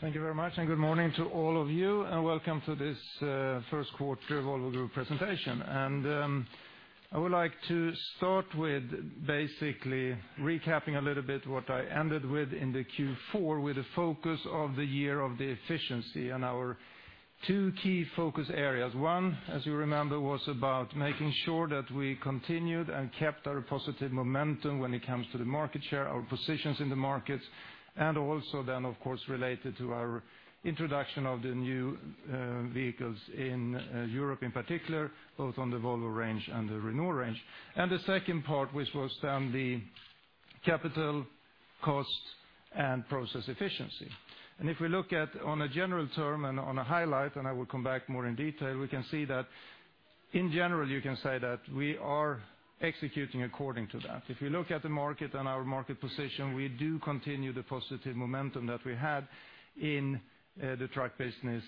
Thank you very much. Good morning to all of you, and welcome to this first quarter Volvo Group presentation. I would like to start with basically recapping a little bit what I ended with in the Q4, with the focus of the year of the efficiency and our two key focus areas. One, as you remember, was about making sure that we continued and kept our positive momentum when it comes to the market share, our positions in the markets, and also then, of course, related to our introduction of the new vehicles in Europe in particular, both on the Volvo and the Renault. The second part, which was then the capital costs and process efficiency. If we look at on a general term and on a highlight, I will come back more in detail. We can see that in general you can say that we are executing according to that. If you look at the market and our market position, we do continue the positive momentum that we had in the truck business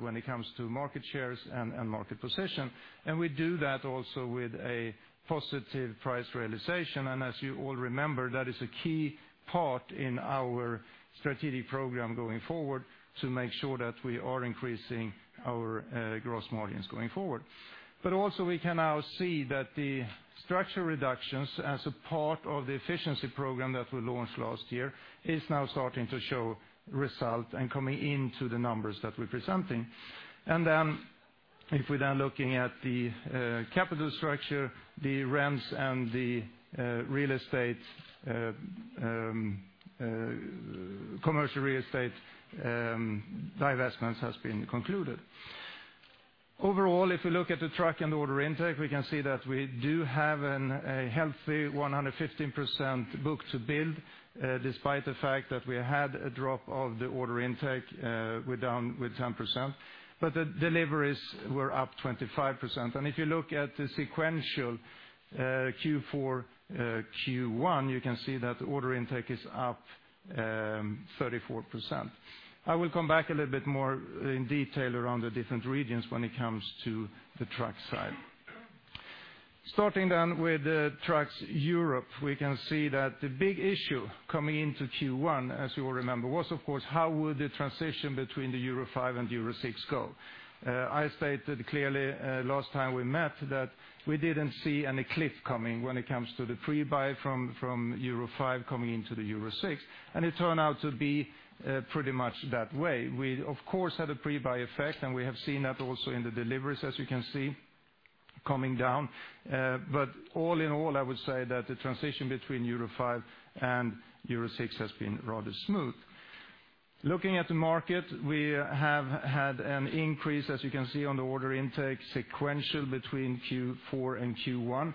when it comes to market shares and market position. We do that also with a positive price realization. As you all remember, that is a key part in our strategic program going forward to make sure that we are increasing our gross margins going forward. Also we can now see that the structure reductions as a part of the efficiency program that we launched last year is now starting to show results and coming into the numbers that we're presenting. If we're then looking at the capital structure, the Rents and the commercial real estate divestments has been concluded. Overall, if we look at the truck and order intake, we can see that we do have a healthy 115% book to build, despite the fact that we had a drop of the order intake with 10%, but the deliveries were up 25%. If you look at the sequential Q4, Q1, you can see that order intake is up 34%. I will come back a little bit more in detail around the different regions when it comes to the truck side. Starting then with trucks Europe, we can see that the big issue coming into Q1, as you all remember, was of course how would the transition between the Euro 5 and Euro 6 go? I stated clearly last time we met that we didn't see any cliff coming when it comes to the pre-buy from Euro 5 coming into the Euro 6. It turned out to be pretty much that way. We of course had a pre-buy effect, we have seen that also in the deliveries as you can see, coming down. All in all, I would say that the transition between Euro 5 and Euro 6 has been rather smooth. Looking at the market, we have had an increase, as you can see on the order intake sequential between Q4 and Q1.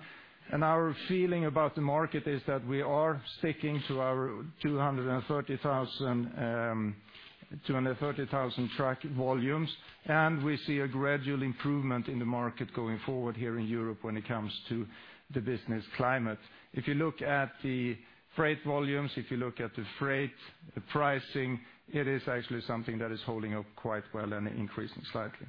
Our feeling about the market is that we are sticking to our 230,000 truck volumes, and we see a gradual improvement in the market going forward here in Europe when it comes to the business climate. If you look at the freight volumes, if you look at the freight pricing, it is actually something that is holding up quite well and increasing slightly.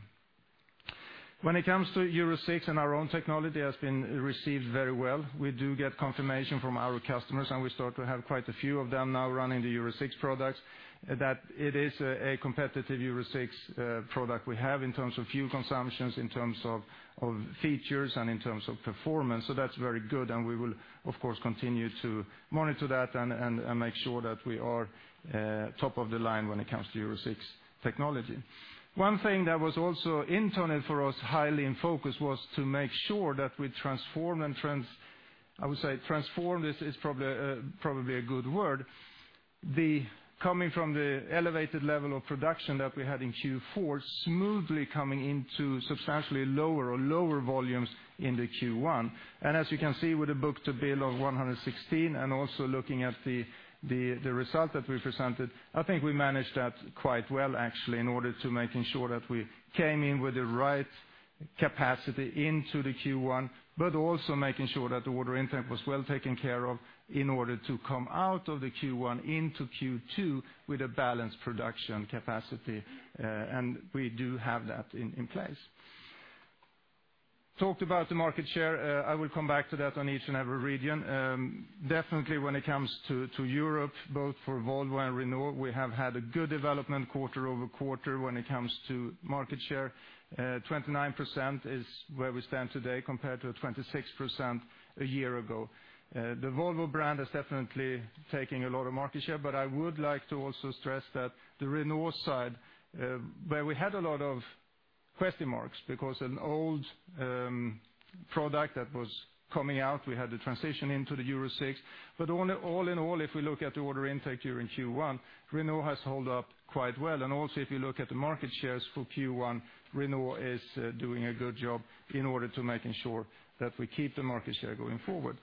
When it comes to Euro 6, our own technology has been received very well. We do get confirmation from our customers, and we start to have quite a few of them now running the Euro 6 products, that it is a competitive Euro 6 product we have in terms of fuel consumption, in terms of features, and in terms of performance. That's very good, and we will of course continue to monitor that and make sure that we are top of the line when it comes to Euro 6 technology. One thing that was also internal for us, highly in focus, was to make sure that we transform, I would say transform is probably a good word. Coming from the elevated level of production that we had in Q4, smoothly coming into substantially lower or lower volumes into Q1. As you can see with the book to bill of 116 and also looking at the result that we presented, I think we managed that quite well actually, in order to making sure that we came in with the right capacity into the Q1, but also making sure that the order intake was well taken care of in order to come out of the Q1 into Q2 with a balanced production capacity. We do have that in place. Talked about the market share. I will come back to that on each and every region. Definitely when it comes to Europe, both for Volvo and Renault, we have had a good development quarter-over-quarter when it comes to market share. 29% is where we stand today compared to 26% a year ago. The Volvo brand is definitely taking a lot of market share, I would like to also stress that the Renault side, where we had a lot of question marks because an old product that was coming out, we had to transition into the Euro 6. All in all, if we look at the order intake during Q1, Renault has held up quite well. Also if you look at the market shares for Q1, Renault is doing a good job in order to making sure that we keep the market share going forward.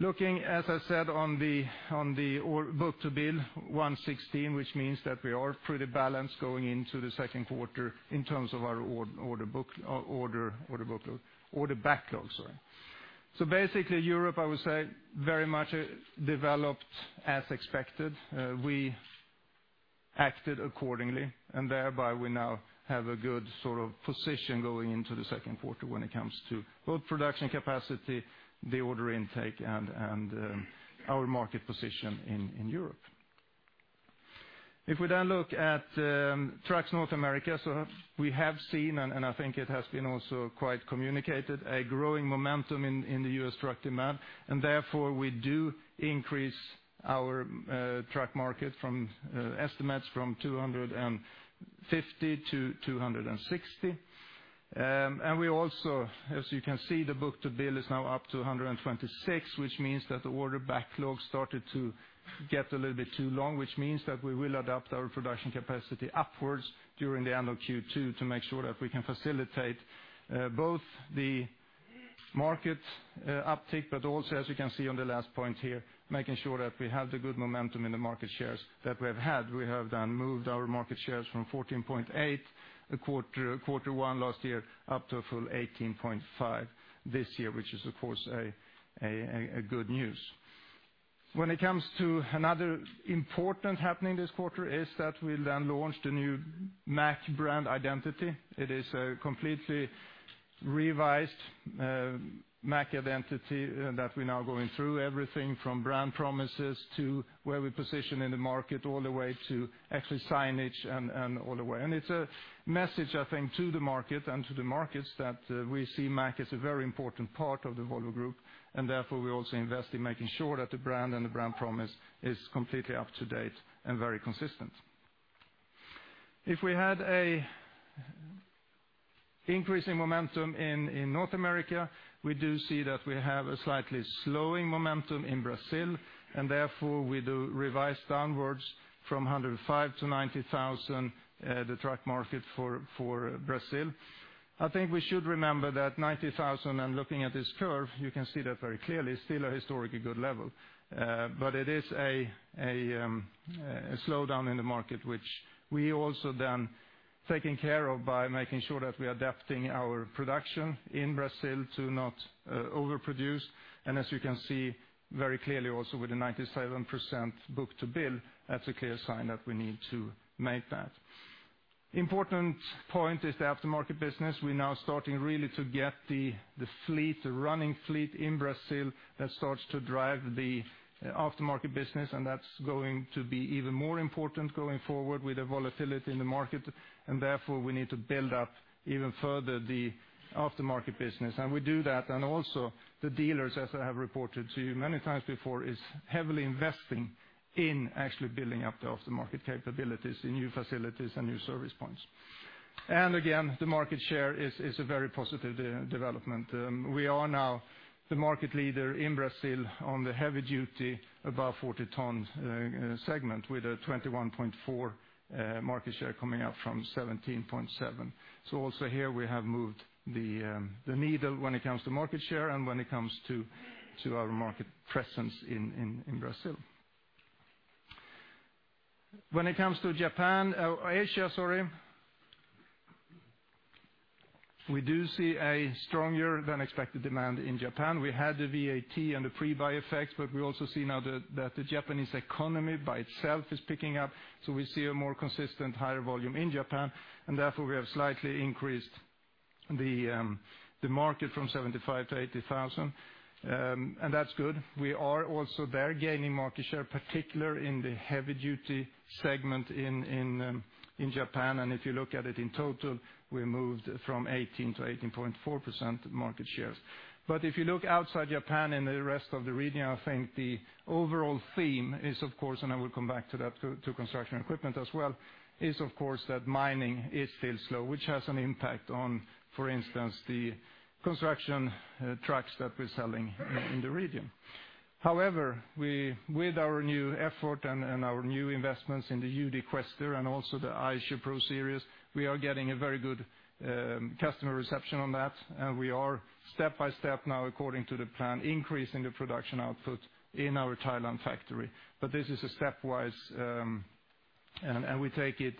Looking, as I said, on the book to bill 116, which means that we are pretty balanced going into the second quarter in terms of our order backlogs. Basically Europe, I would say, very much developed as expected. We acted accordingly and thereby we now have a good position going into the second quarter when it comes to both production capacity, the order intake, and our market position in Europe. If we look at trucks North America, we have seen, I think it has been also quite communicated, a growing momentum in the U.S. truck demand. Therefore we do increase our truck market estimates from 250 to 260. We also, as you can see, the book to bill is now up to 126, which means that the order backlog started to get a little bit too long, which means that we will adapt our production capacity upwards during the end of Q2 to make sure that we can facilitate both the market uptick, but also as you can see on the last point here, making sure that we have the good momentum in the market shares that we have had. We have then moved our market shares from 14.8% quarter one last year up to a full 18.5% this year, which is of course a good news. When it comes to another important happening this quarter is that we then launched a new Mack brand identity. It is a completely revised Mack identity that we're now going through everything from brand promises to where we position in the market, all the way to actually signage and all the way. It's a message, I think, to the market and to the markets that we see Mack as a very important part of the Volvo Group, and therefore we also invest in making sure that the brand and the brand promise is completely up to date and very consistent. If we had an increasing momentum in North America, we do see that we have a slightly slowing momentum in Brazil. Therefore we do revise downwards from 105 to 90,000 the truck market for Brazil. I think we should remember that 90,000, and looking at this curve, you can see that very clearly, is still a historically good level. It is a slowdown in the market, which we also then taken care of by making sure that we are adapting our production in Brazil to not overproduce. As you can see very clearly also with the 97% book to bill, that's a clear sign that we need to make that. Important point is the aftermarket business. We're now starting really to get the running fleet in Brazil that starts to drive the aftermarket business, and that's going to be even more important going forward with the volatility in the market. Therefore we need to build up even further the aftermarket business. We do that, and also the dealers, as I have reported to you many times before, is heavily investing in actually building up the aftermarket capabilities in new facilities and new service points. Again, the market share is a very positive development. We are now the market leader in Brazil on the heavy-duty above 40-ton segment with a 21.4% market share coming up from 17.7%. Also here we have moved the needle when it comes to market share and when it comes to our market presence in Brazil. When it comes to Asia, we do see a stronger than expected demand in Japan. We had the VAT and the pre-buy effects, but we also see now that the Japanese economy by itself is picking up. We see a more consistent higher volume in Japan. Therefore we have slightly increased the market from 75 to 80,000. That's good. We are also there gaining market share, particular in the heavy-duty segment in Japan. If you look at it in total, we moved from 18% to 18.4% market shares. If you look outside Japan and the rest of the region, I think the overall theme is, of course, and I will come back to that, to construction equipment as well, is of course that mining is still slow, which has an impact on, for instance, the construction trucks that we're selling in the region. However, with our new effort and our new investments in the UD Quester and also the Isuzu F-Series, we are getting a very good customer reception on that. We are step by step now according to the plan, increasing the production output in our Thailand factory. This is a stepwise, and we take it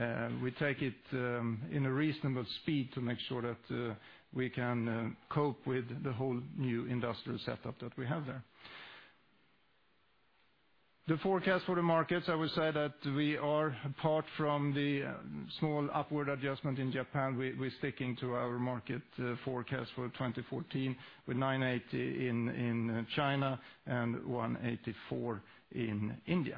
in a reasonable speed to make sure that we can cope with the whole new industrial setup that we have there. The forecast for the markets, I would say that we are apart from the small upward adjustment in Japan, we're sticking to our market forecast for 2014 with 980 in China and 184 in India.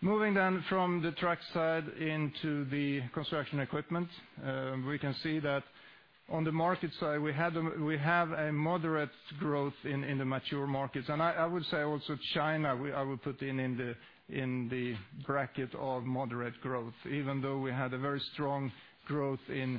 Moving then from the truck side into the construction equipment. We can see that on the market side, we have a moderate growth in the mature markets. I would say also China, I would put in the bracket of moderate growth. Even though we had a very strong growth in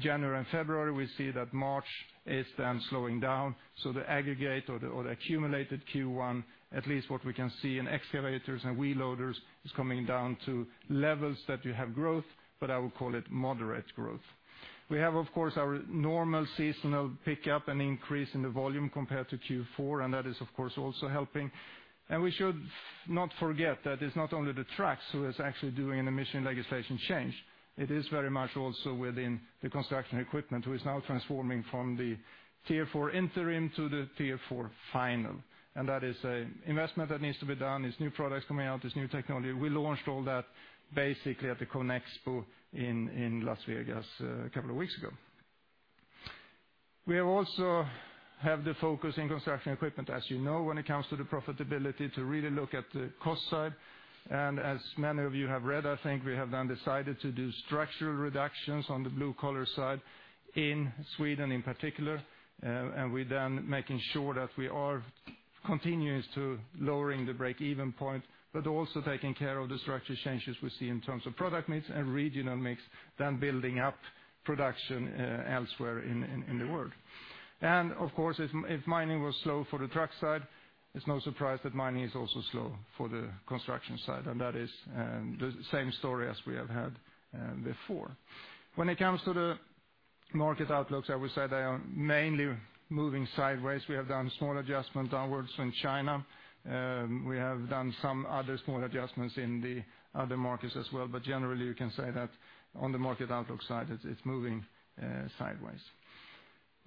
January and February, we see that March is then slowing down. The aggregate or the accumulated Q1, at least what we can see in excavators and wheel loaders, is coming down to levels that you have growth, but I would call it moderate growth. We have, of course, our normal seasonal pickup and increase in the volume compared to Q4, that is of course also helping. We should not forget that it's not only the trucks who is actually doing an emission legislation change. It is very much also within the construction equipment who is now transforming from the Tier 4 Interim to the Tier 4 Final. That is an investment that needs to be done, it's new products coming out, it's new technology. We launched all that basically at the CONEXPO in Las Vegas a couple of weeks ago. We also have the focus in construction equipment, as you know, when it comes to the profitability to really look at the cost side. As many of you have read, I think we have then decided to do structural reductions on the blue-collar side in Sweden in particular, we then making sure that we are continuous to lowering the break-even point, also taking care of the structure changes we see in terms of product mix and regional mix, then building up production elsewhere in the world. Of course, if mining was slow for the truck side, it's no surprise that mining is also slow for the construction side, that is the same story as we have had before. When it comes to the market outlooks, I would say they are mainly moving sideways. We have done small adjustment downwards in China. We have done some other small adjustments in the other markets as well, but generally, you can say that on the market outlook side, it's moving sideways.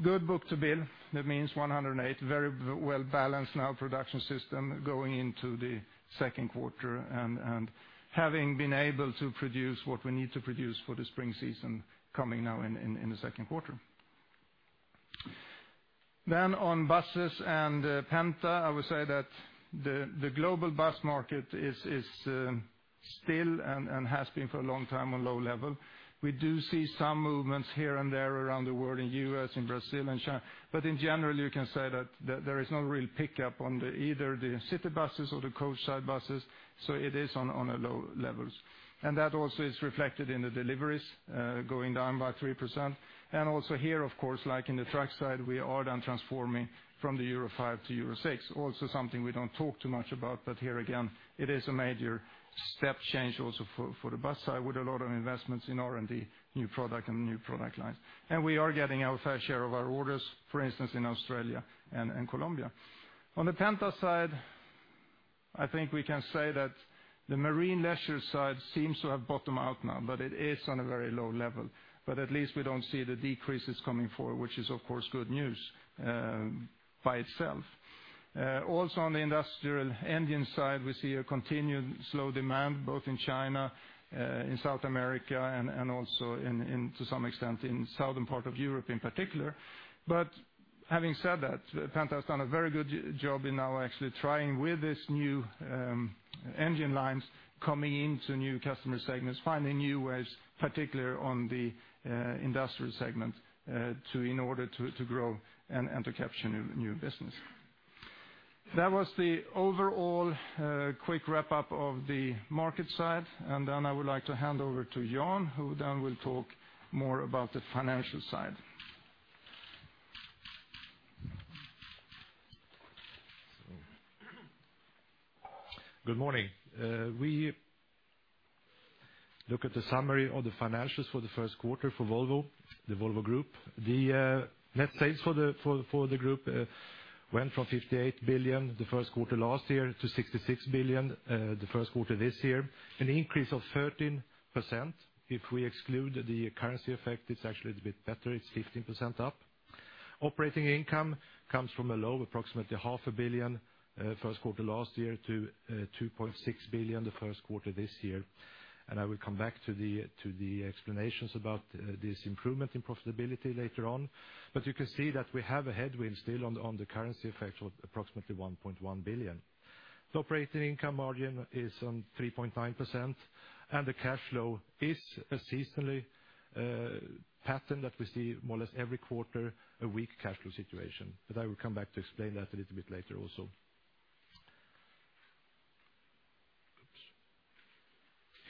Good book to bill. That means 108, very well-balanced now production system going into the second quarter and having been able to produce what we need to produce for the spring season coming now in the second quarter. On buses and Penta, I would say that the global bus market is still, and has been for a long time, on low level. We do see some movements here and there around the world in U.S., in Brazil, and China. In general, you can say that there is no real pickup on either the city buses or the coach side buses, so it is on a low level. That also is reflected in the deliveries, going down by 3%. Also here, of course, like in the truck side, we are then transforming from the Euro 5 to Euro 6. Also something we don't talk too much about, but here again, it is a major step change also for the bus side with a lot of investments in R&D, new product, and new product lines. We are getting our fair share of our orders, for instance, in Australia and Colombia. On the Penta side, I think we can say that the marine leisure side seems to have bottomed out now, but it is on a very low level. At least we don't see the decreases coming forward, which is of course good news by itself. Also on the industrial engine side, we see a continued slow demand, both in China, in South America, and also to some extent in southern part of Europe in particular. Having said that, Penta has done a very good job in now actually trying with this new engine lines coming into new customer segments, finding new ways, particularly on the industrial segment, in order to grow and to capture new business. That was the overall quick wrap-up of the market side, and then I would like to hand over to Jan, who then will talk more about the financial side. Good morning. We look at the summary of the financials for the first quarter for Volvo, the Volvo Group. The net sales for the group went from 58 billion the first quarter last year to 66 billion the first quarter this year, an increase of 13%. If we exclude the currency effect, it's actually a bit better. It's 15% up. Operating income comes from a low, approximately SEK half a billion first quarter last year to 2.6 billion the first quarter this year, and I will come back to the explanations about this improvement in profitability later on. You can see that we have a headwind still on the currency effect of approximately 1.1 billion. The operating income margin is on 3.9%, and the cash flow is a seasonally pattern that we see more or less every quarter, a weak cash flow situation. I will come back to explain that a little bit later also.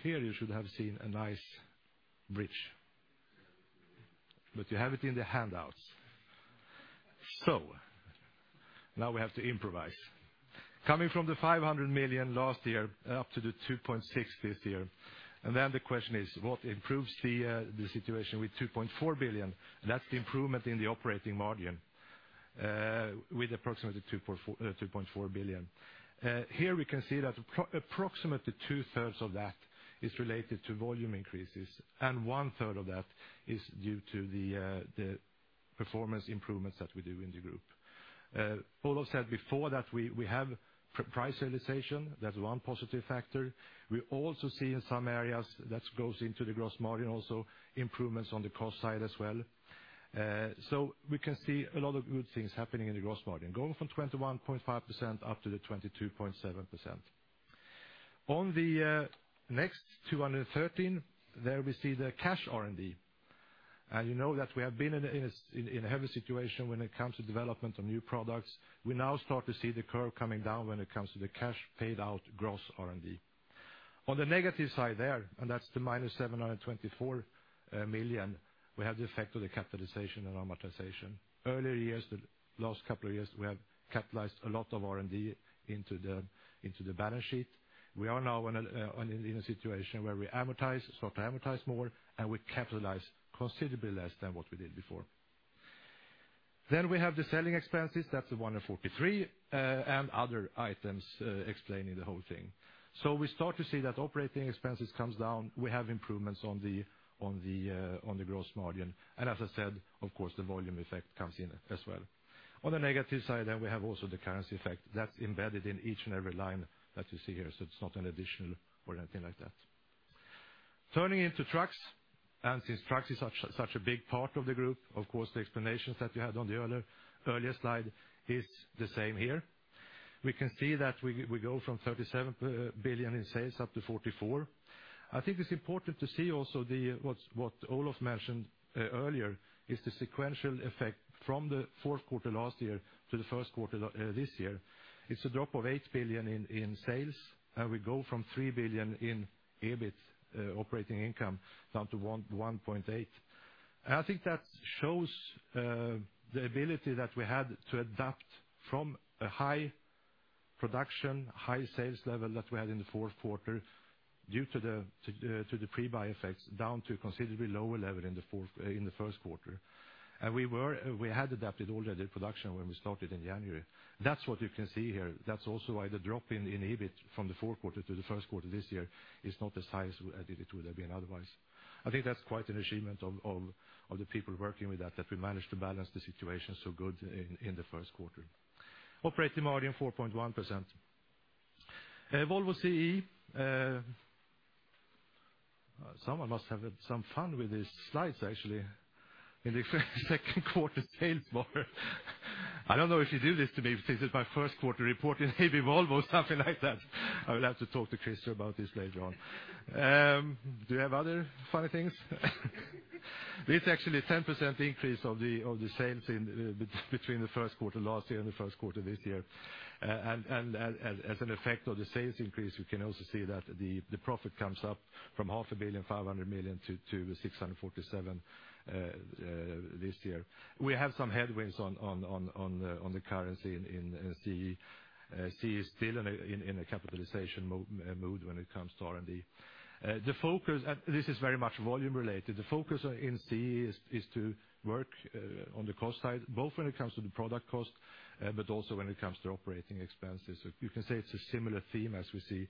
Here you should have seen a nice bridge. You have it in the handouts. Now we have to improvise. Coming from the 500 million last year up to the 2.6 billion this year. Then the question is: What improves the situation with 2.4 billion? That's the improvement in the operating margin with approximately 2.4 billion. Here we can see that approximately two-thirds of that is related to volume increases, and one-third of that is due to the performance improvements that we do in the group. Olof said before that we have price realization. That's one positive factor. We also see in some areas that goes into the gross margin also improvements on the cost side as well. We can see a lot of good things happening in the gross margin, going from 21.5% up to the 22.7%. On the next, 213, there we see the cash R&D. You know that we have been in a heavy situation when it comes to development of new products. We now start to see the curve coming down when it comes to the cash paid out gross R&D. On the negative side there, and that's the -724 million, we have the effect of the capitalization and amortization. Earlier years, the last couple of years, we have capitalized a lot of R&D into the balance sheet. We are now in a situation where we start to amortize more, and we capitalize considerably less than what we did before. We have the selling expenses, that's the 143 million, and other items explaining the whole thing. We start to see that operating expenses comes down. We have improvements on the gross margin. As I said, of course, the volume effect comes in as well. On the negative side then we have also the currency effect. That's embedded in each and every line that you see here. It's not an additional or anything like that. Turning into trucks, and since trucks is such a big part of the group, of course, the explanations that we had on the earlier slide, it's the same here. We can see that we go from 37 billion in sales up to 44 billion. I think it's important to see also what Olof mentioned earlier, is the sequential effect from the fourth quarter last year to the first quarter this year. It's a drop of 8 billion in sales, we go from 3 billion in EBIT operating income down to 1.8 billion. I think that shows the ability that we had to adapt from a high production, high sales level that we had in the fourth quarter due to the pre-buy effects down to a considerably lower level in the first quarter. We had adapted already production when we started in January. That's what you can see here. That's also why the drop in the EBIT from the fourth quarter to the first quarter this year is not as high as I think it would have been otherwise. I think that's quite an achievement of the people working with that we managed to balance the situation so good in the first quarter. Operating margin 4.1%. Volvo CE, someone must have some fun with these slides, actually. In the second quarter sales more. I don't know if you do this to me since it's my first quarter report in heavy Volvo or something like that. I will have to talk to Chris about this later on. Do you have other funny things? It's actually a 10% increase of the sales between the first quarter last year and the first quarter of this year. As an effect of the sales increase, you can also see that the profit comes up from half a billion, 500 million to 647 this year. We have some headwinds on the currency in CE. CE is still in a capitalization mood when it comes to R&D. This is very much volume related. The focus in CE is to work on the cost side, both when it comes to the product cost, but also when it comes to operating expenses. You can say it's a similar theme as we see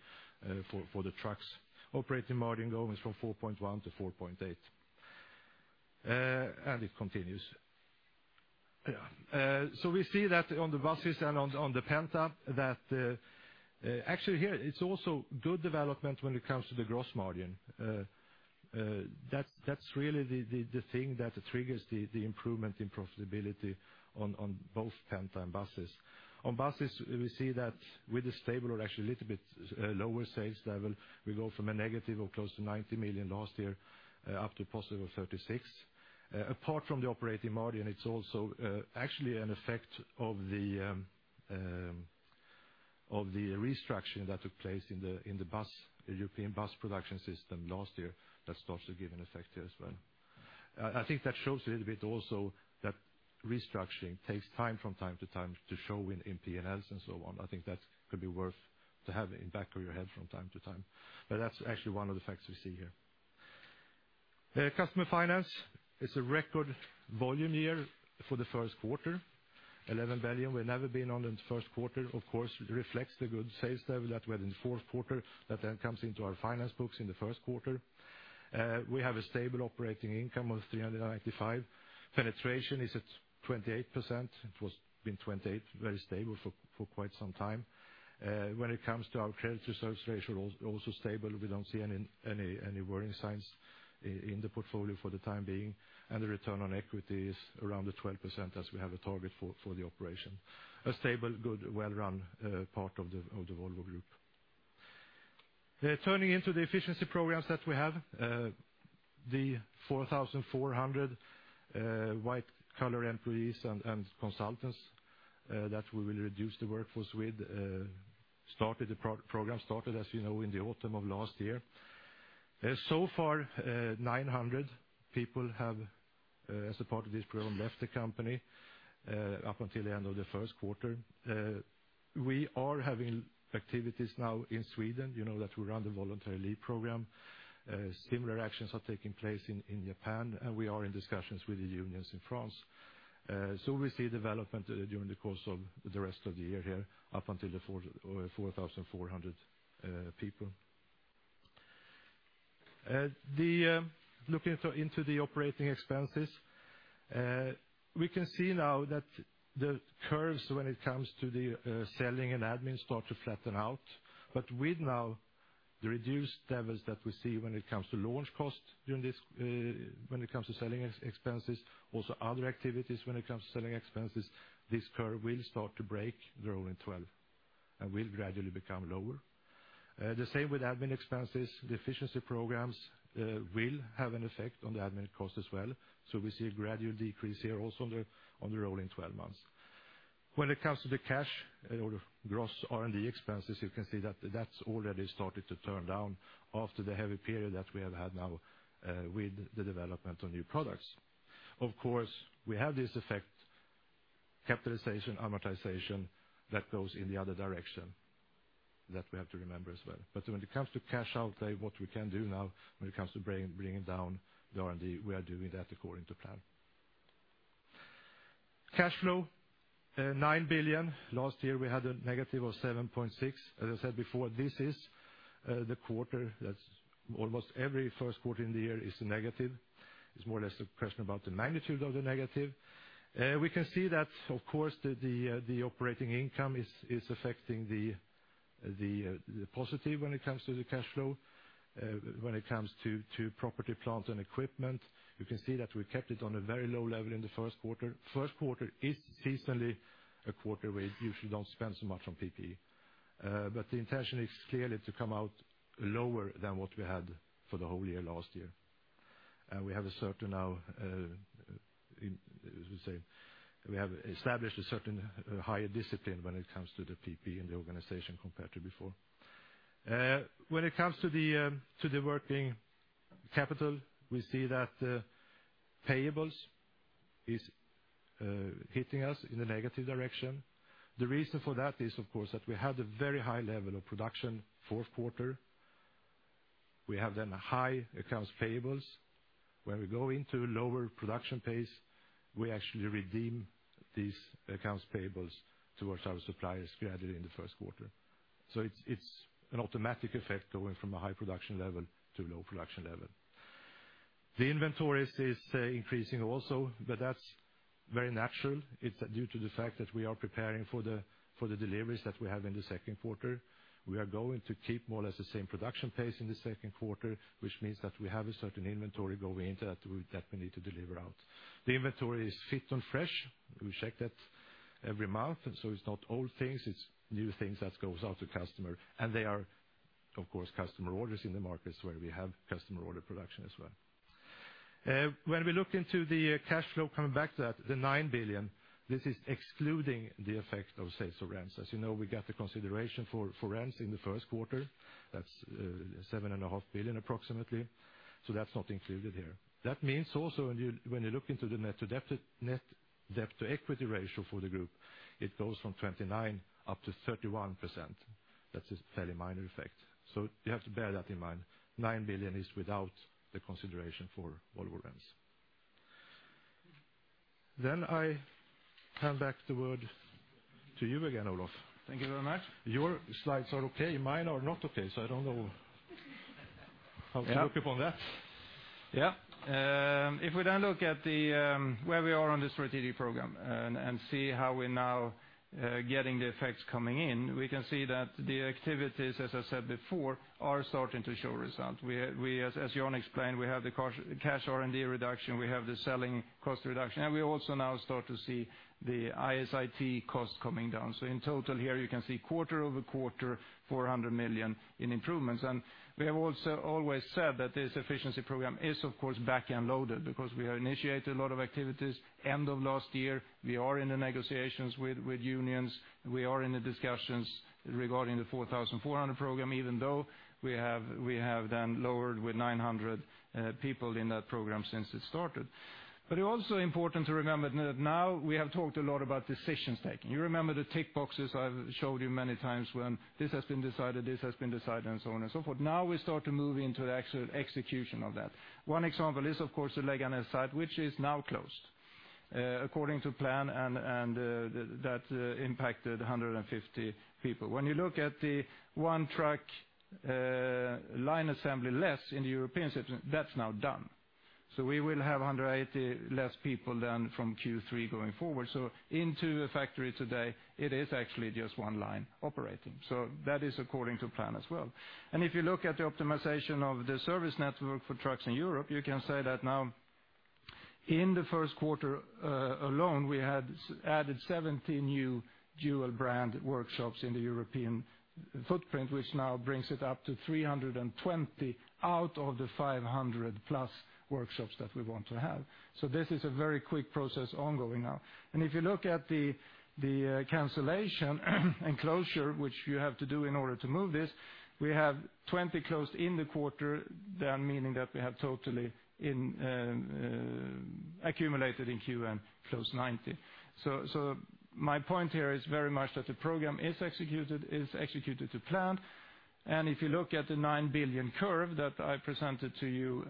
for the trucks. Operating margin going from 4.1% to 4.8%. It continues. We see that on the buses and on the Penta. Actually here, it's also good development when it comes to the gross margin. That's really the thing that triggers the improvement in profitability on both Penta and buses. On buses, we see that with a stable or actually a little bit lower sales level, we go from a negative of close to 90 million last year up to a positive of 36. Apart from the operating margin, it's also actually an effect of the restructuring that took place in the European bus production system last year that starts to give an effect here as well. I think that shows a little bit also that restructuring takes time from time to time to show in P&Ls and so on. I think that could be worth to have in back of your head from time to time. That's actually one of the facts we see here. Customer finance is a record volume year for the first quarter, 11 billion. We've never been on in the first quarter. Of course, it reflects the good sales level that we had in the fourth quarter that then comes into our finance books in the first quarter. We have a stable operating income of 395. Penetration is at 28%. It has been 28%, very stable for quite some time. When it comes to our credit reserves ratio, also stable. We don't see any worrying signs in the portfolio for the time being. The return on equity is around the 12% as we have a target for the operation. A stable, good, well-run part of the Volvo Group. Turning into the efficiency programs that we have, the 4,400 white-collar employees and consultants that we will reduce the workforce with. The program started, as you know, in the autumn of last year. So far, 900 people have, as a part of this program, left the company up until the end of the first quarter. We are having activities now in Sweden, you know that we run the voluntary leave program. Similar actions are taking place in Japan, and we are in discussions with the unions in France. We see development during the course of the rest of the year here up until the 4,400 people. Looking into the operating expenses, we can see now that the curves when it comes to the selling and admin start to flatten out. With now the reduced levels that we see when it comes to launch costs when it comes to selling expenses, also other activities when it comes to selling expenses, this curve will start to break the rolling 12 and will gradually become lower. The same with admin expenses. The efficiency programs will have an effect on the admin cost as well. We see a gradual decrease here also on the rolling 12 months. When it comes to the cash or gross R&D expenses, you can see that that's already started to turn down after the heavy period that we have had now with the development of new products. Of course, we have this effect, capitalization, amortization, that goes in the other direction. That we have to remember as well. When it comes to cash out, what we can do now when it comes to bringing down the R&D, we are doing that according to plan. Cash flow, 9 billion. Last year, we had a negative of 7.6. As I said before, this is the quarter that's almost every first quarter in the year is negative. It's more or less a question about the magnitude of the negative. We can see that, of course, the operating income is affecting the positive when it comes to the cash flow, when it comes to property, plant, and equipment. You can see that we kept it on a very low level in the first quarter. First quarter is seasonally a quarter where we usually don't spend so much on PP&E, but the intention is clearly to come out lower than what we had for the whole year last year. We have established a certain higher discipline when it comes to the PP&E in the organization compared to before. When it comes to the working capital, we see that the payables is hitting us in a negative direction. The reason for that is, of course, that we had a very high level of production fourth quarter. We have then high accounts payables. When we go into lower production pace, we actually redeem these accounts payables towards our suppliers gradually in the first quarter. It's an automatic effect going from a high production level to low production level. The inventories is increasing also, that's very natural. It's due to the fact that we are preparing for the deliveries that we have in the second quarter. We are going to keep more or less the same production pace in the second quarter, which means that we have a certain inventory going into that we definitely need to deliver out. The inventory is fit and fresh. We check that every month, it's not old things, it's new things that goes out to customer. They are, of course, customer orders in the markets where we have customer order production as well. When we look into the cash flow, coming back to that, the 9 billion, this is excluding the effect of sales of RENs. As you know, we got the consideration for RENs in the first quarter. That's seven and a half billion approximately. That's not included here. That means also when you look into the net debt to equity ratio for the group, it goes from 29% up to 31%. That's a fairly minor effect. You have to bear that in mind. 9 billion is without the consideration for Volvo Rents. I hand back the word to you again, Olof. Thank you very much. Your slides are okay, mine are not okay, so I don't know how to look upon that. Yeah. If we then look at where we are on the strategic program and see how we're now getting the effects coming in, we can see that the activities, as I said before, are starting to show results. As Jan explained, we have the cash R&D reduction, we have the selling cost reduction, and we also now start to see the IS/IT cost coming down. In total here, you can see quarter-over-quarter, 400 million in improvements. We have also always said that this efficiency program is, of course, back-end loaded because we have initiated a lot of activities end of last year. We are in the negotiations with unions. We are in the discussions regarding the 4,400 program, even though we have then lowered with 900 people in that program since it started. It's also important to remember that now we have talked a lot about decisions taking. You remember the tick boxes I've showed you many times when this has been decided, this has been decided, and so on and so forth. We start to move into the actual execution of that. One example is, of course, the Leganés site, which is now closed according to plan, and that impacted 150 people. When you look at the one truck line assembly less in the European system, that's now done. We will have 180 less people than from Q3 going forward. Into the factory today, it is actually just one line operating. That is according to plan as well. If you look at the optimization of the service network for trucks in Europe, you can say that now in the first quarter alone, we had added 70 new dual brand workshops in the European footprint, which now brings it up to 320 out of the 500 plus workshops that we want to have. This is a very quick process ongoing now. If you look at the cancellation and closure, which you have to do in order to move this, we have 20 closed in the quarter, meaning that we have totally accumulated in Q1 close to 90. My point here is very much that the program is executed to plan. If you look at the 9 billion curve that I presented to you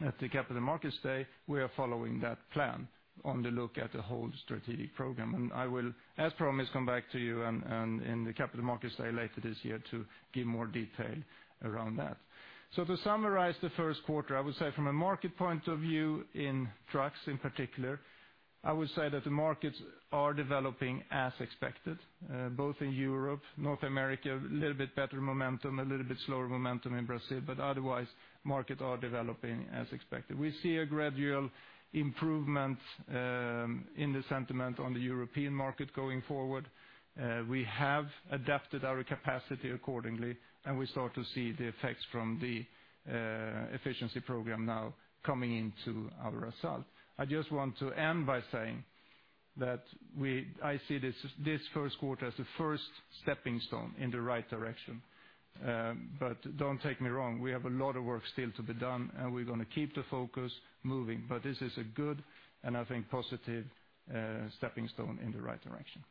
at the Capital Markets Day, we are following that plan on the look at the whole strategic program. I will, as promised, come back to you in the Capital Markets Day later this year to give more detail around that. To summarize the first quarter, I would say from a market point of view in trucks in particular, I would say that the markets are developing as expected, both in Europe, North America, a little bit better momentum, a little bit slower momentum in Brazil, but otherwise, markets are developing as expected. We see a gradual improvement in the sentiment on the European market going forward. We have adapted our capacity accordingly, and we start to see the effects from the efficiency program now coming into our result. I just want to end by saying that I see this first quarter as the first stepping stone in the right direction. Don't take me wrong, we have a lot of work still to be done, and we're going to keep the focus moving. This is a good and I think positive stepping stone in the right direction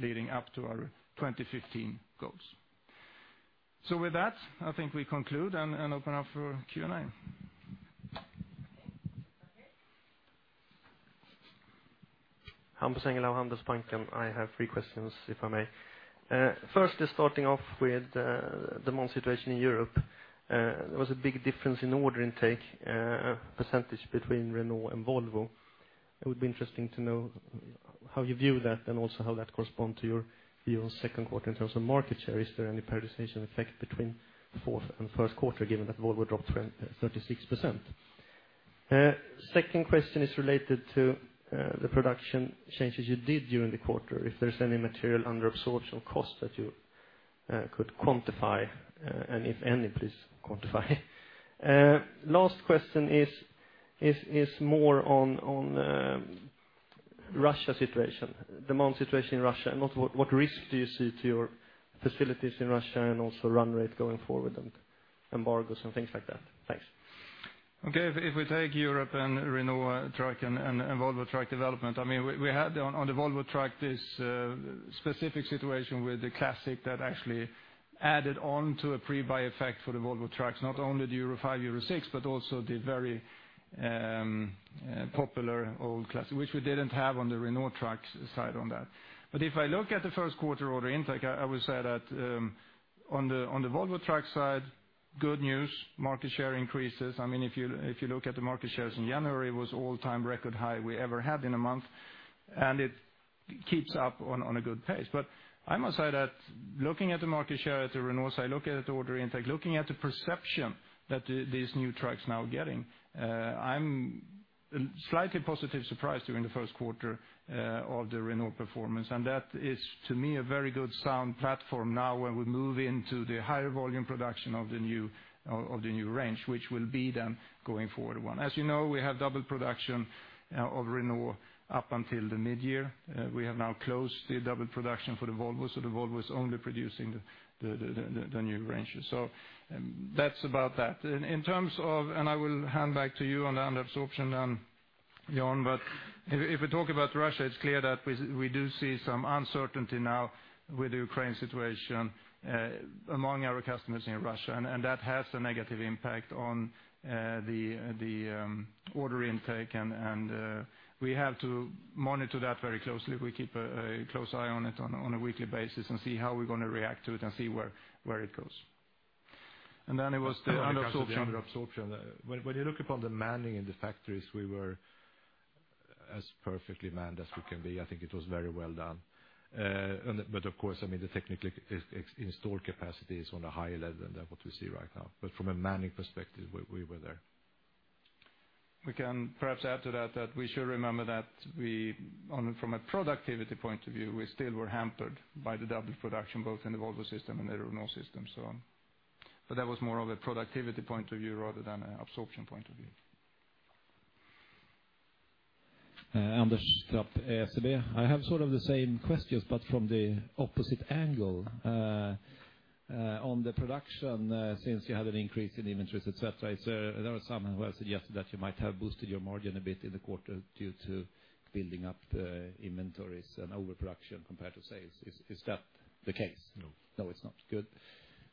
leading up to our 2015 goals. With that, I think we conclude and open up for Q&A. Hampus Engellau, Handelsbanken. I have three questions, if I may. First is starting off with the demand situation in Europe. There was a big difference in order intake % between Renault Trucks and Volvo Trucks. It would be interesting to know how you view that and also how that corresponds to your view on 2Q in terms of market share. Is there any participation effect between 4Q and 1Q, given that Volvo dropped 36%? Second question is related to the production changes you did during the quarter. If there's any material under absorption cost that you could quantify, and if any, please quantify. Last question is more on Russia situation, demand situation in Russia, and what risk do you see to your facilities in Russia and also run rate going forward and embargoes and things like that? Thanks. Okay. If we take Europe and Renault Trucks and Volvo Trucks development, we had on the Volvo Trucks this specific situation with the Volvo classic that actually added on to a pre-buy effect for the Volvo Trucks, not only the Euro V, Euro VI, but also the very popular Volvo classic, which we didn't have on the Renault Trucks side on that. If I look at the 1Q order intake, I would say that on the Volvo Trucks side, good news, market share increases. If you look at the market shares in January was all-time record high we ever had in a month, and it keeps up on a good pace. I must say that looking at the market share at the Renault Trucks side, looking at the order intake, looking at the perception that these new trucks now are getting, I'm slightly positive surprised during the 1Q of the Renault Trucks performance. That is, to me, a very good sound platform now when we move into the higher volume production of the new range, which will be then going forward one. As you know, we have double production of Renault Trucks up until the mid-year. We have now closed the double production for the Volvo Trucks, so the Volvo Trucks is only producing the new range. That's about that. In terms of, and I will hand back to you on the under absorption, Jan, but if we talk about Russia, it's clear that we do see some uncertainty now with the Ukraine situation among our customers in Russia, and that has a negative impact on the order intake, and we have to monitor that very closely. We keep a close eye on it on a weekly basis and see how we're going to react to it and see where it goes. It was the under absorption- When it comes to the under absorption, when you look upon the manning in the factories, we were as perfectly manned as we can be. I think it was very well done. Of course, the technical installed capacity is on a higher level than what we see right now. From a manning perspective, we were there. We can perhaps add to that we should remember that from a productivity point of view, we still were hampered by the double production, both in the Volvo system and the Renault system. That was more of a productivity point of view rather than an absorption point of view. Anders SEB. I have sort of the same questions, from the opposite angle. On the production, since you had an increase in inventories, et cetera, there are some who have suggested that you might have boosted your margin a bit in the quarter due to building up the inventories and overproduction compared to sales. Is that the case? No. No, it's not.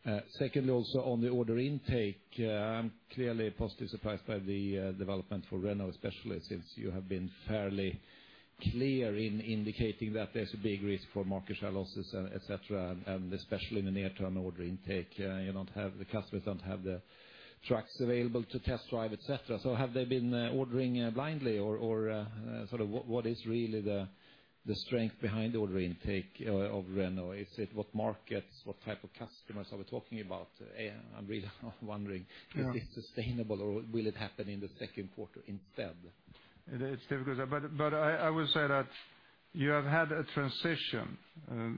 Good. Secondly, also on the order intake, I'm clearly positively surprised by the development for Renault, especially since you have been fairly clear in indicating that there's a big risk for market share losses, et cetera, and especially in the near-term order intake. The customers don't have the trucks available to test drive, et cetera. Have they been ordering blindly or what is really the strength behind the order intake of Renault? Is it what markets, what type of customers are we talking about? Yeah if it's sustainable or will it happen in the second quarter instead? It's difficult, but I would say that you have had a transition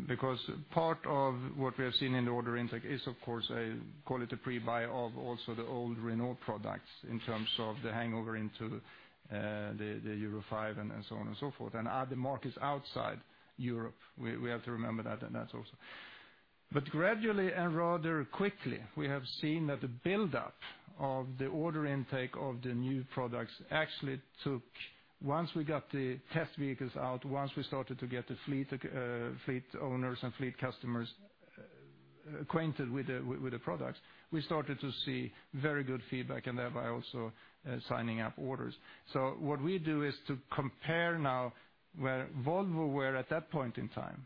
because part of what we have seen in the order intake is, of course, a call it a pre-buy of also the old Renault products in terms of the hangover into the Euro V and so on and so forth, and other markets outside Europe. We have to remember that, and that also. Gradually and rather quickly, we have seen that the buildup of the order intake of the new products actually took, once we got the test vehicles out, once we started to get the fleet owners and fleet customers acquainted with the products, we started to see very good feedback and thereby also signing up orders. What we do is to compare now where Volvo were at that point in time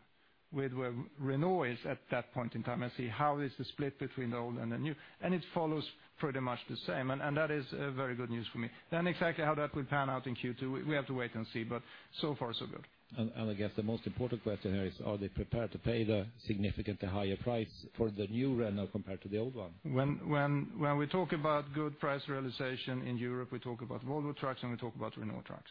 with where Renault is at that point in time and see how is the split between the old and the new, and it follows pretty much the same, and that is very good news for me. Exactly how that would pan out in Q2, we have to wait and see, but so far so good. I guess the most important question here is, are they prepared to pay the significantly higher price for the new Renault compared to the old one? When we talk about good price realization in Europe, we talk about Volvo Trucks and we talk about Renault Trucks.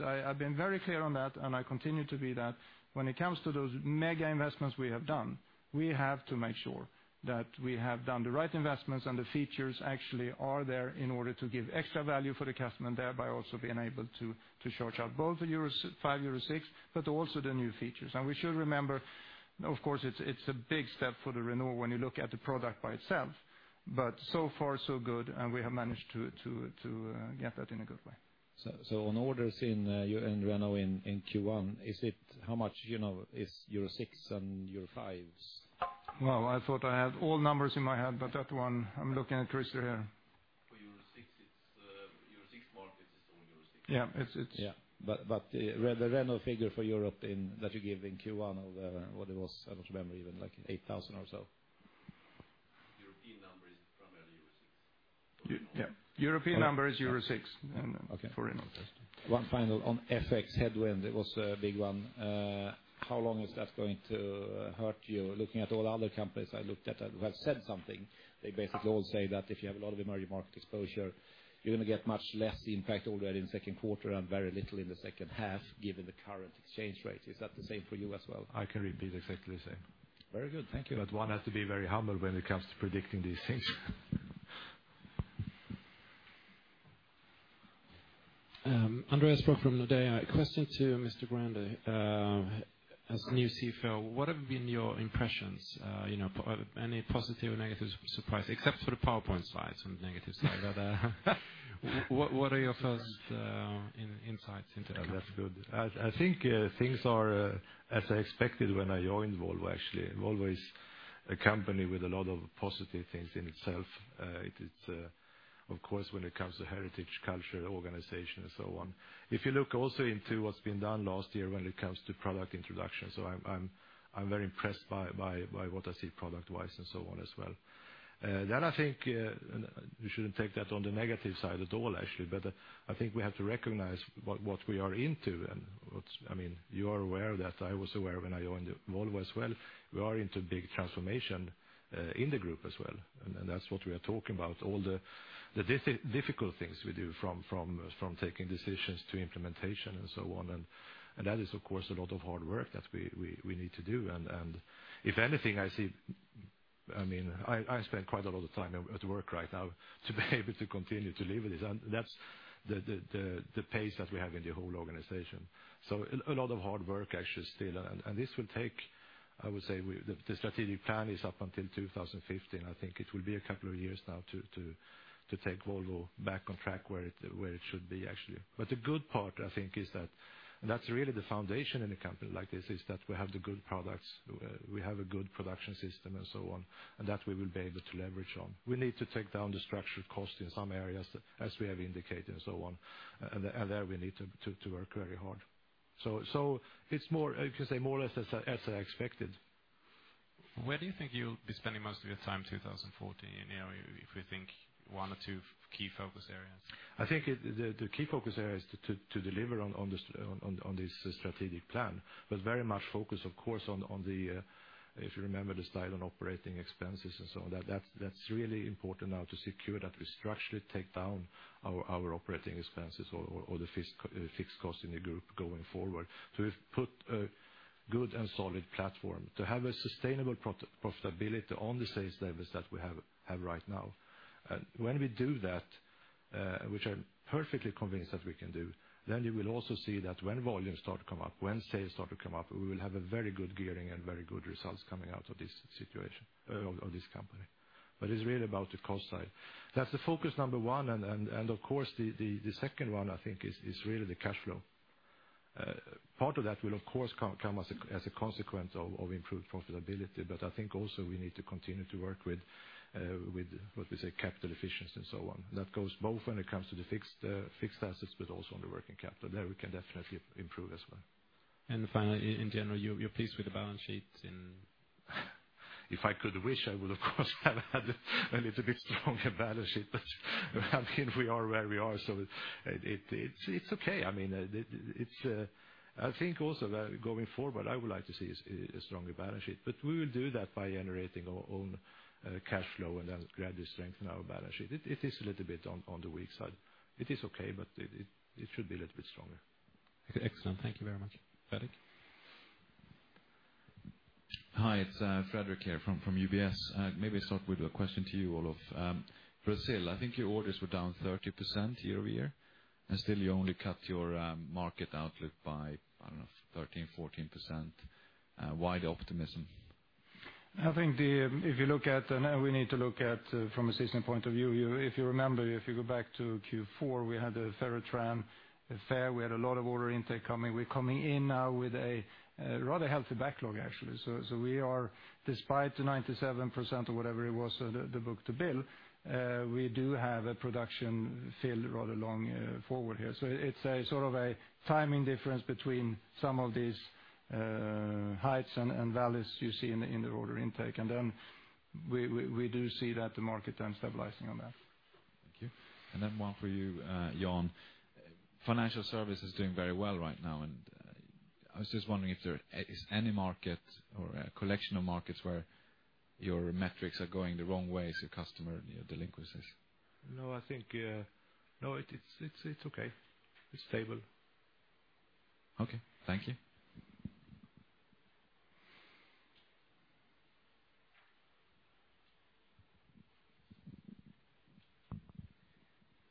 I've been very clear on that, and I continue to be that when it comes to those mega investments we have done, we have to make sure that we have done the right investments and the features actually are there in order to give extra value for the customer and thereby also being able to charge up both the Euro V, Euro VI, but also the new features. We should remember, of course, it's a big step for the Renault Trucks when you look at the product by itself, but so far so good, and we have managed to get that in a good way. On orders in Renault Trucks in Q1, how much is Euro VI and Euro V? Well, I thought I had all numbers in my head, but that one, I'm looking at Christer here. It's Euro 6 markets is only Euro 6. Yeah. Yeah. The Renault Trucks figure for Europe that you gave in Q1 of the, what it was, I don't remember even, like 8,000 or so. European number is primarily Euro 6. Yeah. European number is Euro 6. Okay for Renault. One final on FX headwind, it was a big one. How long is that going to hurt you? Looking at all the other companies I looked at who have said something, they basically all say that if you have a lot of emerging market exposure, you're going to get much less impact already in second quarter and very little in the second half, given the current exchange rate. Is that the same for you as well? I can repeat exactly the same. Very good, thank you. One has to be very humble when it comes to predicting these things. Andreas from Nordea. Question to Mr. Gurander. As new CFO, what have been your impressions? Any positive or negative surprise, except for the PowerPoint slides on the negative side? What are your first insights into that? That's good. I think things are as I expected when I joined Volvo, actually. Volvo is a company with a lot of positive things in itself. It is, of course, when it comes to heritage, culture, organization and so on. If you look also into what's been done last year when it comes to product introduction. I'm very impressed by what I see product-wise and so on as well. I think, you shouldn't take that on the negative side at all actually, but I think we have to recognize what we are into. You are aware that I was aware when I joined Volvo as well. We are into big transformation in the group as well, and that's what we are talking about. All the difficult things we do from taking decisions to implementation and so on. That is, of course, a lot of hard work that we need to do. If anything, I spend quite a lot of time at work right now to be able to continue to live with this. That's the pace that we have in the whole organization. A lot of hard work actually still. This will take, I would say, the strategic plan is up until 2015. I think it will be a couple of years now to take Volvo back on track where it should be actually. The good part, I think, is that, and that's really the foundation in a company like this, is that we have the good products, we have a good production system and so on, and that we will be able to leverage on. We need to take down the structured cost in some areas as we have indicated and so on, and there we need to work very hard. It's more, you can say more or less as I expected. Where do you think you'll be spending most of your time 2014? If you think one or two key focus areas. I think the key focus area is to deliver on this strategic plan, very much focus, of course, on the, if you remember the slide on operating expenses and so on. That's really important now to secure that we structurally take down our operating expenses or the fixed cost in the group going forward. We've put a good and solid platform to have a sustainable profitability on the sales levels that we have right now. When we do that, which I'm perfectly convinced that we can do, then you will also see that when volumes start to come up, when sales start to come up, we will have a very good gearing and very good results coming out of this situation or this company. It's really about the cost side. That's the focus number one, of course, the second one I think is really the cash flow. Part of that will, of course, come as a consequence of improved profitability, but I think also we need to continue to work with what we say capital efficiency and so on. That goes both when it comes to the fixed assets, but also on the working capital. There we can definitely improve as well. Finally, in general, you're pleased with the balance sheet in If I could wish, I would of course have had a little bit stronger balance sheet, but we are where we are. It's okay. I think also going forward, I would like to see a stronger balance sheet. We will do that by generating our own cash flow and then gradually strengthen our balance sheet. It is a little bit on the weak side. It is okay, but it should be a little bit stronger. Excellent, thank you very much, Fredrik. Hi, it's Fredrik here from UBS. Maybe start with a question to you, Olof. Brazil, I think your orders were down 30% year-over-year. Still you only cut your market outlook by, I don't know, 13%, 14%. Why the optimism? I think now we need to look at from a seasoned point of view. If you remember, if you go back to Q4, we had the Fenatran fair. We had a lot of order intake coming. We're coming in now with a rather healthy backlog, actually. We are, despite the 97% or whatever it was, the book to bill, we do have a production filled rather long forward here. It's a sort of a timing difference between some of these heights and valleys you see in the order intake. Then we do see that the market then stabilizing on that. Thank you. Then one for you, Jan. Financial services doing very well right now, and I was just wondering if there is any market or a collection of markets where your metrics are going the wrong way as a customer, your delinquencies. No, I think it's okay. It's stable. Okay. Thank you.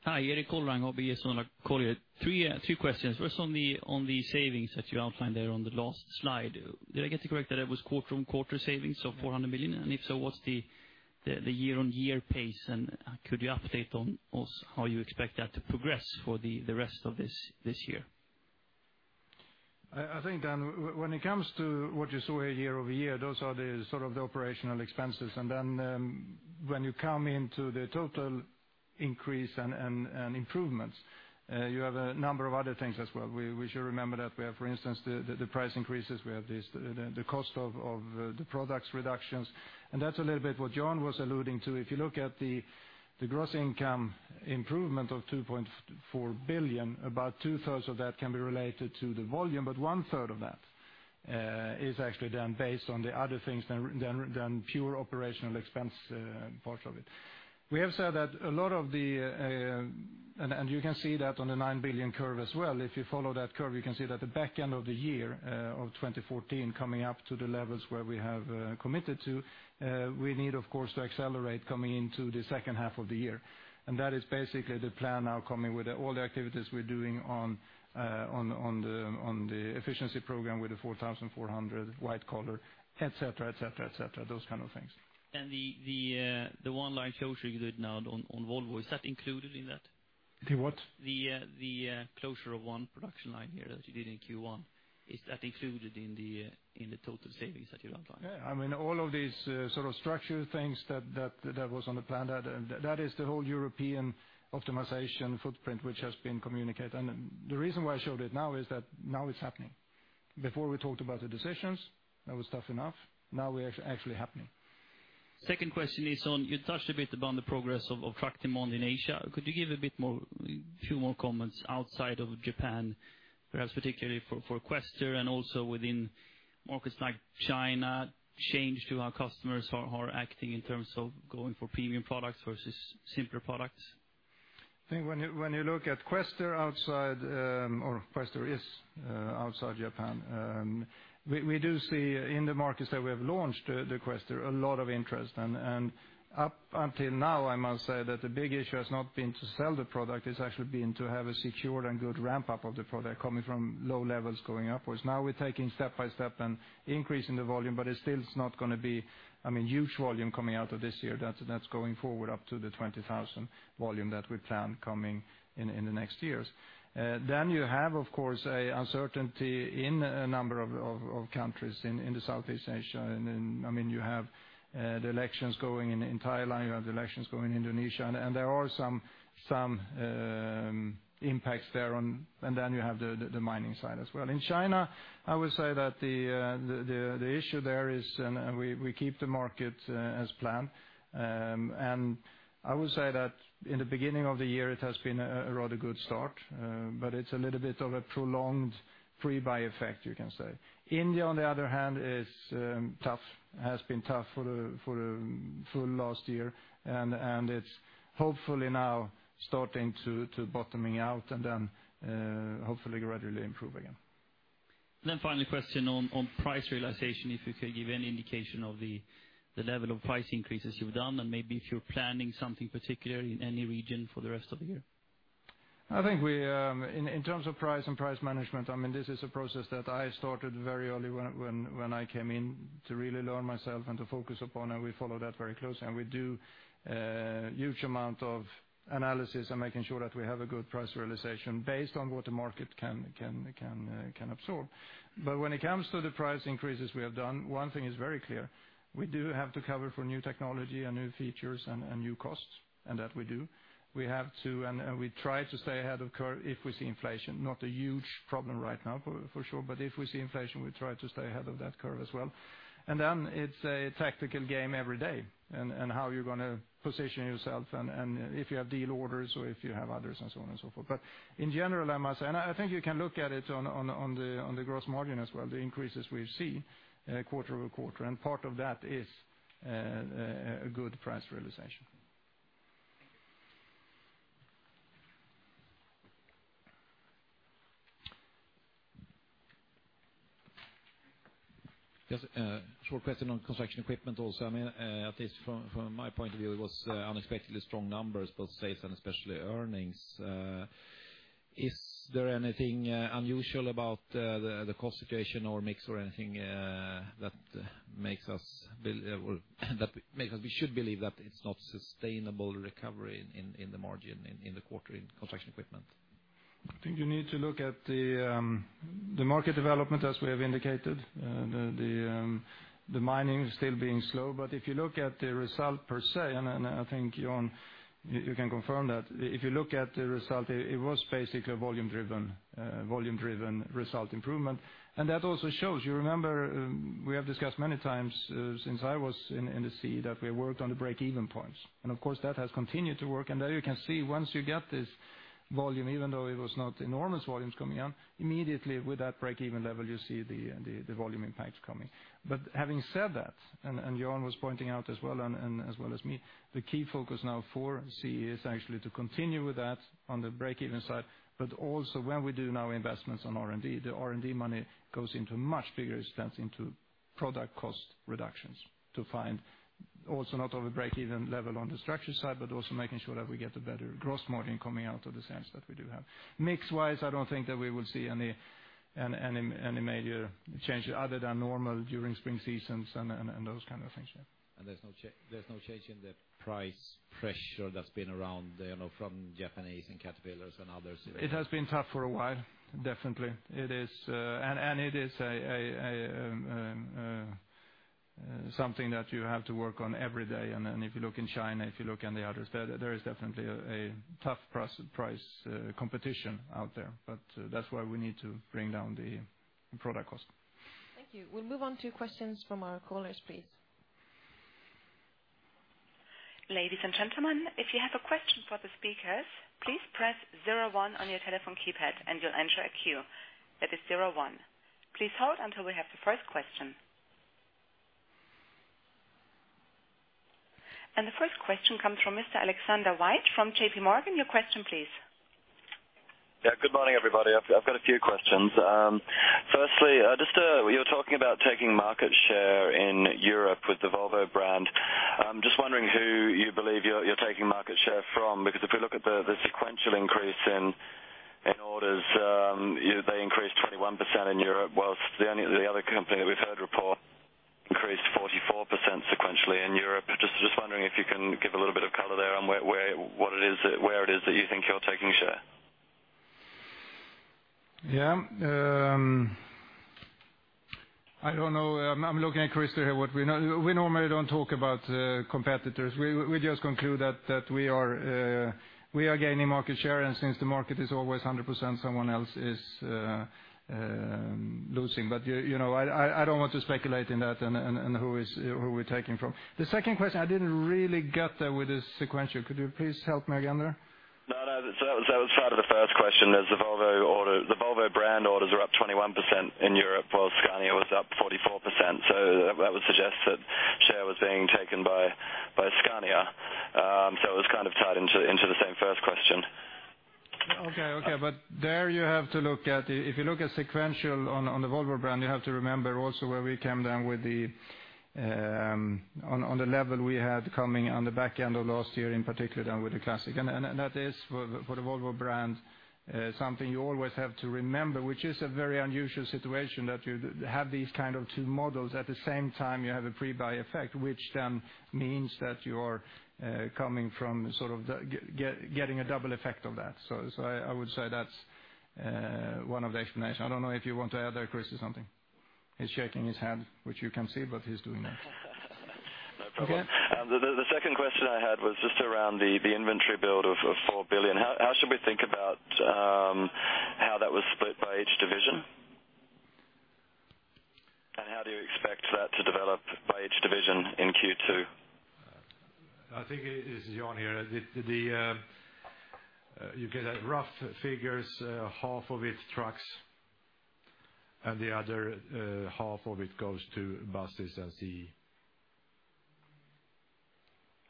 Hi, Erik Golrang, SEB on a call here. Three questions. First on the savings that you outlined there on the last slide. Did I get it correct that it was quarter-on-quarter savings of 400 million? If so, what's the year-on-year pace? Could you update on us how you expect that to progress for the rest of this year? I think, Jan, when it comes to what you saw here year-over-year, those are the operational expenses. When you come into the total increase and improvements, you have a number of other things as well. We should remember that we have, for instance, the price increases, we have the cost of the products reductions, that's a little bit what Jan was alluding to. If you look at the gross income improvement of 2.4 billion, about two-thirds of that can be related to the volume, one-third of that is actually then based on the other things than pure operational expense parts of it. You can see that on the 9 billion curve as well. If you follow that curve, you can see that the back end of the year of 2014 coming up to the levels where we have committed to, we need, of course, to accelerate coming into the second half of the year. That is basically the plan now coming with all the activities we're doing on the Efficiency Program with the 4,400 white collar, et cetera. Those kind of things. The one line closure you did now on Volvo, is that included in that? The what? The closure of one production line here that you did in Q1. Is that included in the total savings that you outline? Yeah. All of these structure things that was on the plan, that is the whole European optimization footprint which has been communicated. The reason why I showed it now is that now it's happening. Before, we talked about the decisions. That was tough enough. Now, we're actually happening. Second question is on, you touched a bit upon the progress of Optractimon in Asia. Could you give a few more comments outside of Japan, perhaps particularly for Quester and also within markets like China, change to our customers who are acting in terms of going for premium products versus simpler products? I think when you look at Quester outside, or Quester is outside Japan. We do see in the markets that we have launched the Quester, a lot of interest. Up until now, I must say that the big issue has not been to sell the product, it's actually been to have a secured and good ramp-up of the product coming from low levels going upwards. Now we're taking step by step and increasing the volume, but it still is not going to be huge volume coming out of this year. That's going forward up to the 20,000 volume that we plan coming in the next years. You have, of course, a uncertainty in a number of countries in Southeast Asia. You have the elections going in Thailand, you have the elections going in Indonesia, and there are some impacts there, and then you have the mining side as well. In China, I would say that the issue there is we keep the market as planned. I would say that in the beginning of the year, it has been a rather good start. It's a little bit of a prolonged pre-buy effect, you can say. India, on the other hand, is tough, has been tough for the full last year, and it's hopefully now starting to bottoming out and then hopefully gradually improve again. Final question on price realization, if you could give any indication of the level of price increases you've done and maybe if you're planning something particular in any region for the rest of the year. I think in terms of price and price management, this is a process that I started very early when I came in to really learn myself and to focus upon, and we follow that very closely, and we do a huge amount of analysis and making sure that we have a good price realization based on what the market can absorb. When it comes to the price increases we have done, one thing is very clear. We do have to cover for new technology and new features and new costs, and that we do. We have to, and we try to stay ahead of curve if we see inflation. Not a huge problem right now, for sure. If we see inflation, we try to stay ahead of that curve as well. It's a tactical game every day, and how you're going to position yourself, and if you have deal orders or if you have others and so on and so forth. In general, I must say, and I think you can look at it on the gross margin as well, the increases we've seen quarter-over-quarter, and part of that is a good price realization. Thank you. a short question on construction equipment also. At least from my point of view, it was unexpectedly strong numbers, both sales and especially earnings. Is there anything unusual about the cost situation or mix or anything that makes us believe we should believe that it's not sustainable recovery in the margin in the quarter in construction equipment? I think you need to look at the market development as we have indicated, the mining still being slow. If you look at the result per se, and I think, John, you can confirm that. If you look at the result, it was basically a volume-driven result improvement. That also shows, you remember, we have discussed many times since I was in the CEO that we worked on the break-even points. Of course, that has continued to work, and there you can see once you get this volume, even though it was not enormous volumes coming in, immediately with that break-even level, you see the volume impacts coming. Having said that, and John was pointing out as well as me, the key focus now for CE is actually to continue with that on the break-even side. also when we do now investments on R&D, the R&D money goes into much bigger expense into product cost reductions to find also not only break-even level on the structure side, but also making sure that we get a better gross margin coming out of the sales that we do have. Mix-wise, I don't think that we will see any major changes other than normal during spring seasons and those kind of things, yeah. there's no change in the price pressure that's been around from Japanese and Caterpillar and others? It has been tough for a while, definitely. It is a something that you have to work on every day. If you look in China, if you look in the others, there is definitely a tough price competition out there. That's why we need to bring down the product cost. Thank you. We'll move on to questions from our callers, please. Ladies and gentlemen, if you have a question for the speakers, please press 01 on your telephone keypad, and you'll enter a queue. That is zero one. Please hold until we have the first question. The first question comes from Mr. Alexander Whyte from J.P. Morgan. Your question, please. Good morning, everybody. I've got a few questions. Firstly, you were talking about taking market share in Europe with the Volvo brand. I'm just wondering who you believe you're taking market share from, because if we look at the sequential increase in orders, they increased 21% in Europe, whilst the only other company that we've heard report increased 44% sequentially in Europe. Just wondering if you can give a little bit of color there on where it is that you think you're taking share. I don't know. I'm looking at Christer here. We normally don't talk about competitors. We just conclude that we are gaining market share, and since the market is always 100%, someone else is losing. I don't want to speculate in that and who we're taking from. The second question, I didn't really get that with the sequential. Could you please help me again there? No, that was part of the first question, as the Volvo brand orders are up 21% in Europe, while Scania was up 44%. That would suggest that share was being taken by Scania. It was kind of tied into the same first question. Okay. There, if you look at sequential on the Volvo brand, you have to remember also where we came down on the level we had coming on the back end of last year, in particular, down with the Volvo classic. That is, for the Volvo brand, something you always have to remember, which is a very unusual situation that you have these two models. At the same time, you have a pre-buy effect, which then means that you are getting a double effect of that. I would say that's one of the explanations. I don't know if you want to add there, Christer, something. He's shaking his head, which you can't see, but he's doing that. No problem. Okay. The second question I had was just around the inventory build of 4 billion. How should we think about how that was split by each division? How do you expect that to develop by each division in Q2? I think it is Jan here. You get rough figures, half of it trucks and the other half of it goes to buses and CE.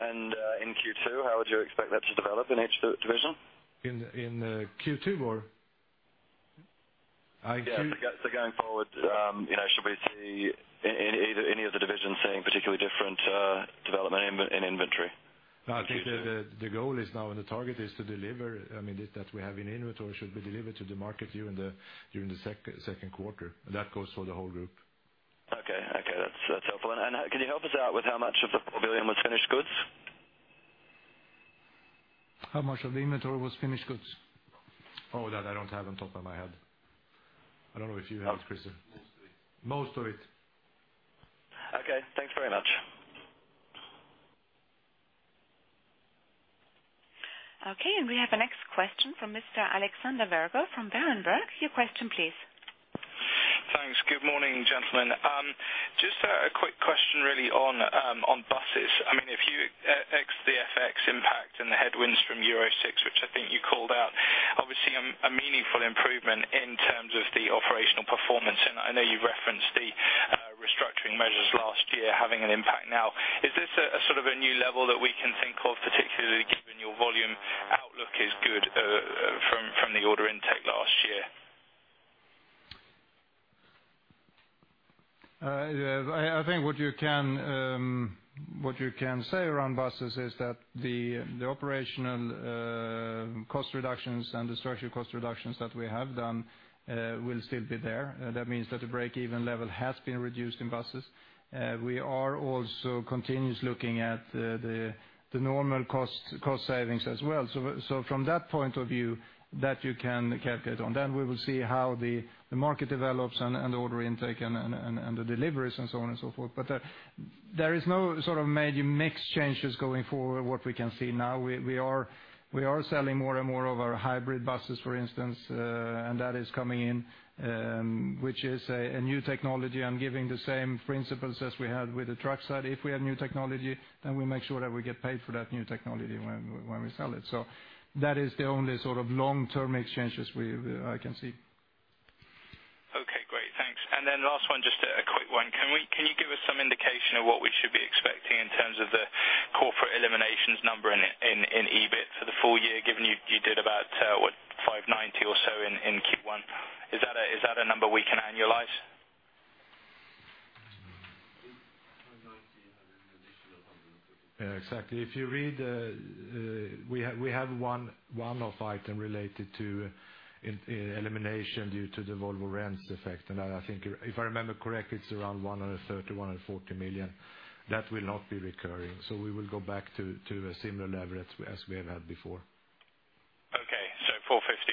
In Q2, how would you expect that to develop in each division? In Q2, or? Yeah. Going forward, should we see any of the divisions seeing particularly different development in inventory in Q2? I think the goal now, and the target, is to deliver, that we have in inventory should be delivered to the market during the second quarter. That goes for the whole group. Okay. That's helpful. Can you help us out with how much of the 4 billion was finished goods? How much of the inventory was finished goods? Oh, that I don't have on top of my head. I don't know if you have it, Christer. Most of it. Most of it. Okay, thanks very much. Okay, we have a next question from Mr. Alexander Virgo from Berenberg. Your question, please. Thanks. Good morning, gentlemen. Just a quick question, really, on buses. If you ex the FX impact and the headwinds from Euro 6, which I think you called out, obviously, a meaningful improvement in terms of the operational performance, and I know you've referenced the restructuring measures last year having an impact now. Is this a new level that we can think of, particularly given your volume outlook is good from the order intake last year? I think what you can say around buses is that the operational cost reductions and the structural cost reductions that we have done will still be there. That means that the break-even level has been reduced in buses. We are also continuously looking at the normal cost savings as well. From that point of view, that you can calculate on. We will see how the market develops and the order intake and the deliveries and so on and so forth. There is no major mix changes going forward, what we can see now. We are selling more and more of our hybrid buses, for instance, and that is coming in, which is a new technology. I'm giving the same principles as we had with the truck side. If we have new technology, then we make sure that we get paid for that new technology when we sell it. That is the only long-term mix changes I can see. Okay, great. Thanks. Last one, just a quick one. Can you give us some indication of what we should be expecting in terms of the corporate eliminations number in EBIT for the full year, given you did about, what, 590 or so in Q1? Is that a number we can annualize? I think SEK 590 and then an additional SEK 150. Exactly. If you read, we have one off item related to elimination due to the Volvo Rents effect, and if I remember correctly, it's around 130 million, 140 million. That will not be recurring. We will go back to a similar level as we have had before. Okay. 450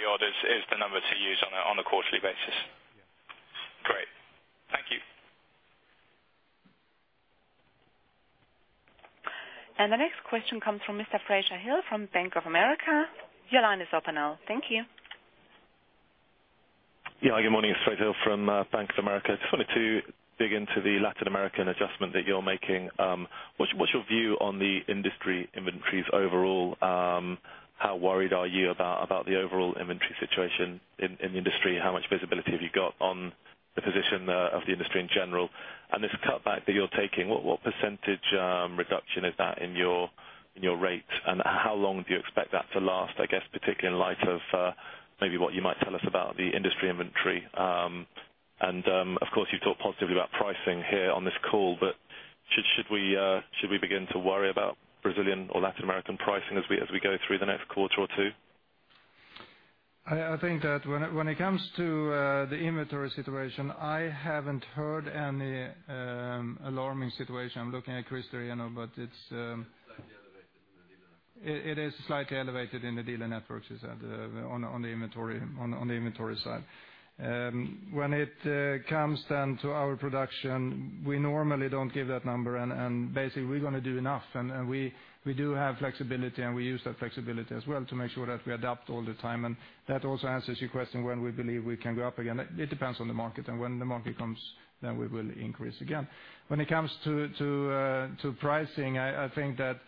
odd is the number to use on a quarterly basis? Yeah. Great. Thank you. The next question comes from Mr. Fraser Hill from Bank of America. Your line is open now. Thank you. Yeah. Good morning, it's Fraser Hill from Bank of America. Just wanted to dig into the Latin American adjustment that you're making. What's your view on the industry inventories overall? How worried are you about the overall inventory situation in the industry, and how much visibility have you got on the position of the industry in general? This cutback that you're taking, what % reduction is that in your rate, and how long do you expect that to last? I guess particularly in light of maybe what you might tell us about the industry inventory. Of course, you've talked positively about pricing here on this call, but should we begin to worry about Brazilian or Latin American pricing as we go through the next quarter or two? I think that when it comes to the inventory situation, I haven't heard any alarming situation. I'm looking at Christer, but it's- Slightly elevated in the dealer network It is slightly elevated in the dealer networks, you said, on the inventory side. When it comes then to our production, we normally don't give that number, and basically we're going to do enough. We do have flexibility, and we use that flexibility as well to make sure that we adapt all the time, and that also answers your question when we believe we can go up again. It depends on the market, and when the market comes, then we will increase again. When it comes to pricing, I think that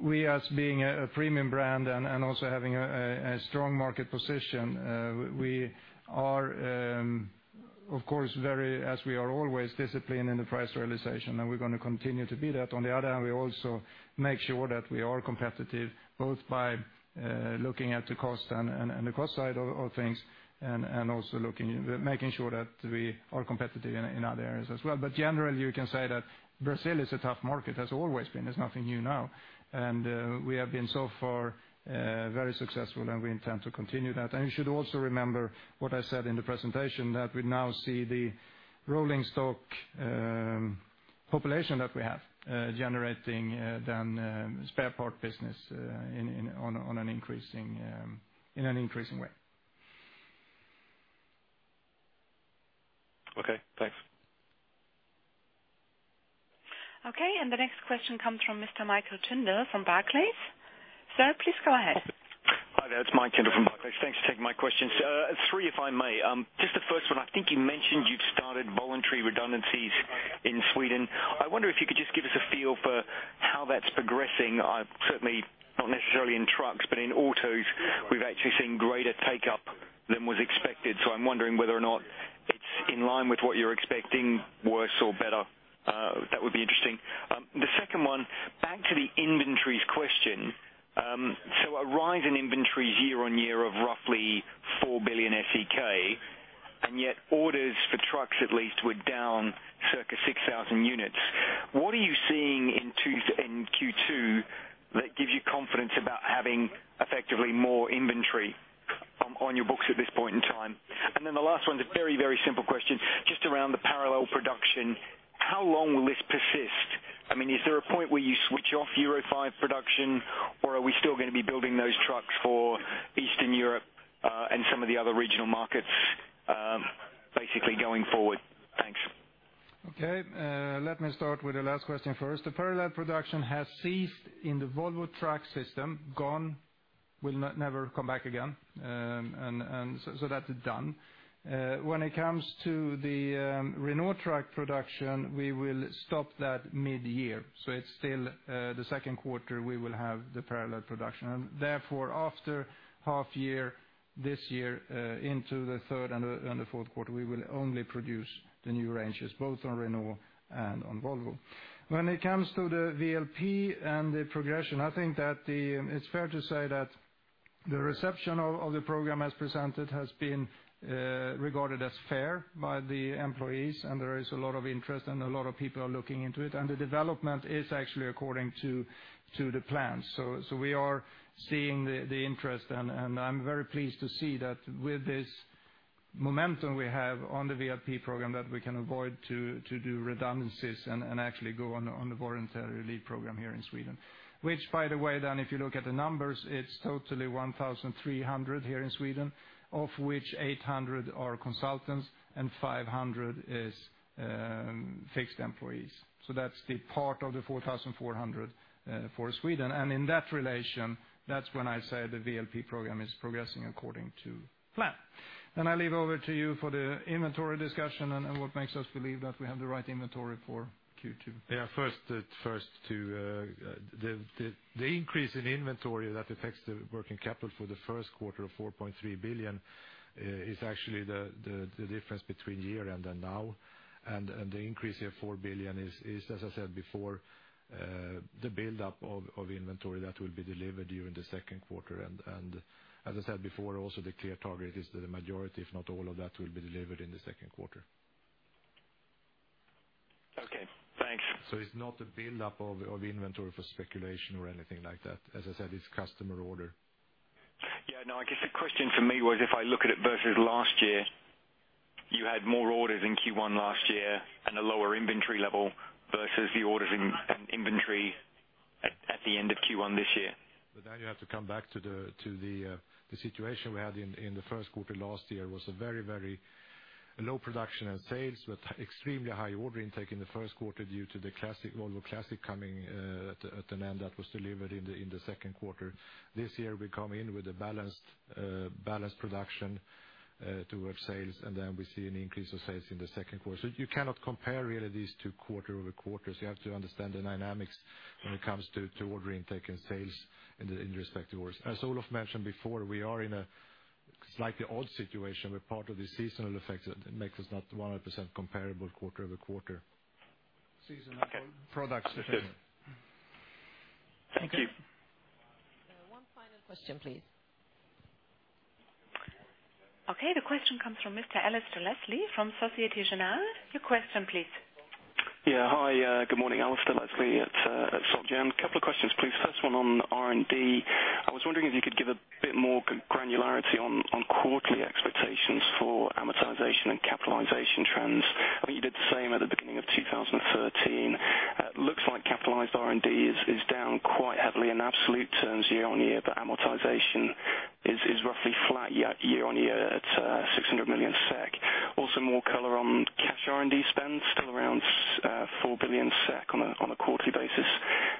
we as being a premium brand and also having a strong market position we are, of course, very, as we are always, disciplined in the price realization, and we're going to continue to be that. On the other hand, we also make sure that we are competitive, both by looking at the cost and the cost side of things and also making sure that we are competitive in other areas as well. Generally, you can say that Brazil is a tough market, has always been. It's nothing new now. We have been so far very successful, and we intend to continue that. You should also remember what I said in the presentation, that we now see the rolling stock population that we have generating spare part business in an increasing way. Okay, thanks. Okay, the next question comes from Mr. Michael Tyndall from Barclays. Sir, please go ahead. Hi there. It's Mike Tyndall from Barclays. Thanks for taking my questions. Three, if I may. The first one, I think you mentioned you've started voluntary redundancies in Sweden. I wonder if you could just give us a feel for how that's progressing. Certainly, not necessarily in trucks, but in autos, we've actually seen greater take-up than was expected. I'm wondering whether or not it's in line with what you're expecting, worse or better. That would be interesting. The second one, back to the inventories question. A rise in inventories year-over-year of roughly 4 billion SEK, and yet orders for trucks at least were down circa 6,000 units. What are you seeing in Q2 that gives you confidence about having effectively more inventory on your books at this point in time? The last one is a very simple question, just around the parallel production. How long will this persist? Is there a point where you switch off Euro V production, or are we still going to be building those trucks for Eastern Europe and some of the other regional markets basically going forward? Thanks. Okay. Let me start with the last question first. The parallel production has ceased in the Volvo Trucks system, gone, will never come back again. That is done. When it comes to the Renault Trucks production, we will stop that mid-year. It's still the second quarter we will have the parallel production. Therefore, after half year this year into the third and the fourth quarter, we will only produce the new ranges, both on Renault and on Volvo. When it comes to the VLP and the progression, I think that it's fair to say that the reception of the program as presented has been regarded as fair by the employees, and there is a lot of interest, and a lot of people are looking into it, and the development is actually according to the plan. We are seeing the interest, and I'm very pleased to see that with this momentum we have on the VLP program, that we can avoid to do redundancies and actually go on the voluntary leave program here in Sweden. Which, by the way, then if you look at the numbers, it's totally 1,300 here in Sweden, of which 800 are consultants and 500 are fixed employees. That's the part of the 4,400 for Sweden. In that relation, that's when I say the VLP program is progressing according to plan. I leave over to you for the inventory discussion and what makes us believe that we have the right inventory for Q2. Yeah. First, the increase in inventory that affects the working capital for the first quarter of 4.3 billion is actually the difference between year end and now. The increase here, 4 billion, is, as I said before, the buildup of inventory that will be delivered during the second quarter. As I said before, also the clear target is that the majority, if not all of that, will be delivered in the second quarter. Okay, thanks. It's not a buildup of inventory for speculation or anything like that. As I said, it's customer order. Yeah. No, I guess the question for me was if I look at it versus last year. You had more orders in Q1 last year and a lower inventory level versus the orders and inventory at the end of Q1 this year. You have to come back to the situation we had in the first quarter last year was a very low production and sales with extremely high order intake in the first quarter due to the Volvo classic coming at an end that was delivered in the second quarter. This year, we come in with a balanced production towards sales, we see an increase of sales in the second quarter. You cannot compare really these two quarter-over-quarter. You have to understand the dynamics when it comes to order intake and sales in the respective orders. As Olof mentioned before, we are in a slightly odd situation with part of the seasonal effects that makes us not 100% comparable quarter-over-quarter. Okay. Products. Thank you. One final question, please. Okay. The question comes from Mr. Alasdair Leslie from Societe Generale. Your question please. Hi, good morning, Alasdair Leslie at Société Générale. A couple of questions, please. First one on R&D. I was wondering if you could give a bit more granularity on quarterly expectations for amortization and capitalization trends. I think you did the same at the beginning of 2013. Looks like capitalized R&D is down quite heavily in absolute terms year-on-year, but amortization is roughly flat year-on-year at 600 million SEK. Also, more color on cash R&D spend, still around 4 billion SEK on a quarterly basis.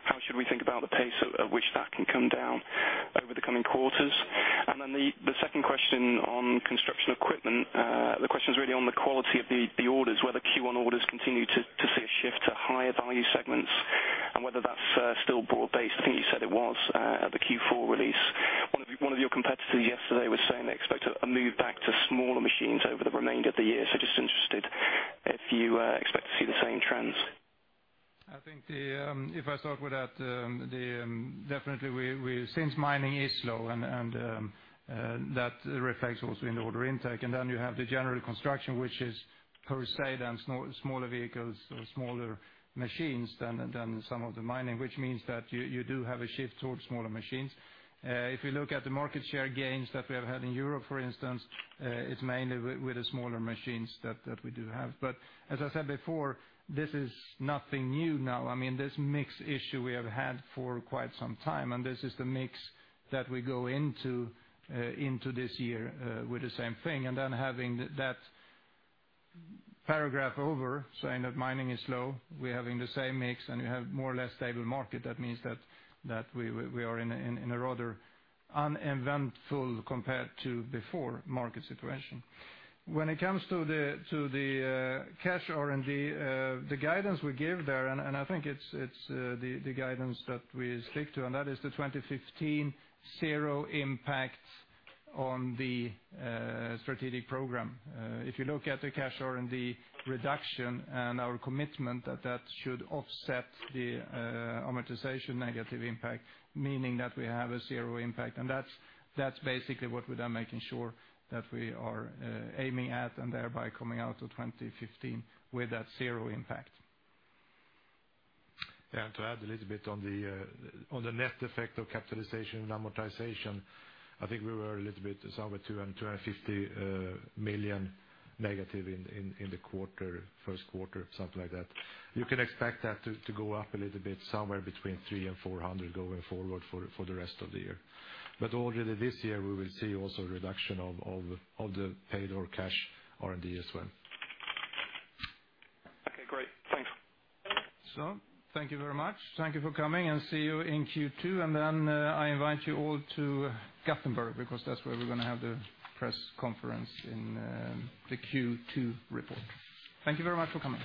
How should we think about the pace at which that can come down over the coming quarters? The second question on construction equipment. The question is really on the quality of the orders, whether Q1 orders continue to see a shift to higher value segments and whether that's still broad-based. I think you said it was at the Q4 release. One of your competitors yesterday was saying they expect a move back to smaller machines over the remainder of the year. Just interested if you expect to see the same trends. I think if I start with that, definitely since mining is slow. That reflects also in the order intake. You have the general construction, which is per se the smaller vehicles or smaller machines than some of the mining, which means that you do have a shift towards smaller machines. If you look at the market share gains that we have had in Europe, for instance, it's mainly with the smaller machines that we do have. As I said before, this is nothing new now. I mean, this mix issue we have had for quite some time. This is the mix that we go into this year with the same thing. Having that paragraph over, saying that mining is low, we're having the same mix, and we have more or less stable market. That means that we are in a rather uneventful compared to before market situation. When it comes to the cash R&D, the guidance we give there. I think it's the guidance that we stick to. That is the 2015 zero impact on the strategic program. If you look at the cash R&D reduction. Our commitment that should offset the amortization negative impact, meaning that we have a zero impact. That's basically what we are making sure that we are aiming at and thereby coming out of 2015 with that zero impact. Yeah. To add a little bit on the net effect of capitalization and amortization, I think we were a little bit somewhere SEK 200 million, 250 million negative in the first quarter, something like that. You can expect that to go up a little bit, somewhere between 300 million and 400 million going forward for the rest of the year. Already this year, we will see also a reduction of the paid or cash R&D as well. Okay, great. Thanks. Thank you very much. Thank you for coming, and see you in Q2. I invite you all to Gothenburg, because that's where we're going to have the press conference in the Q2 report. Thank you very much for coming.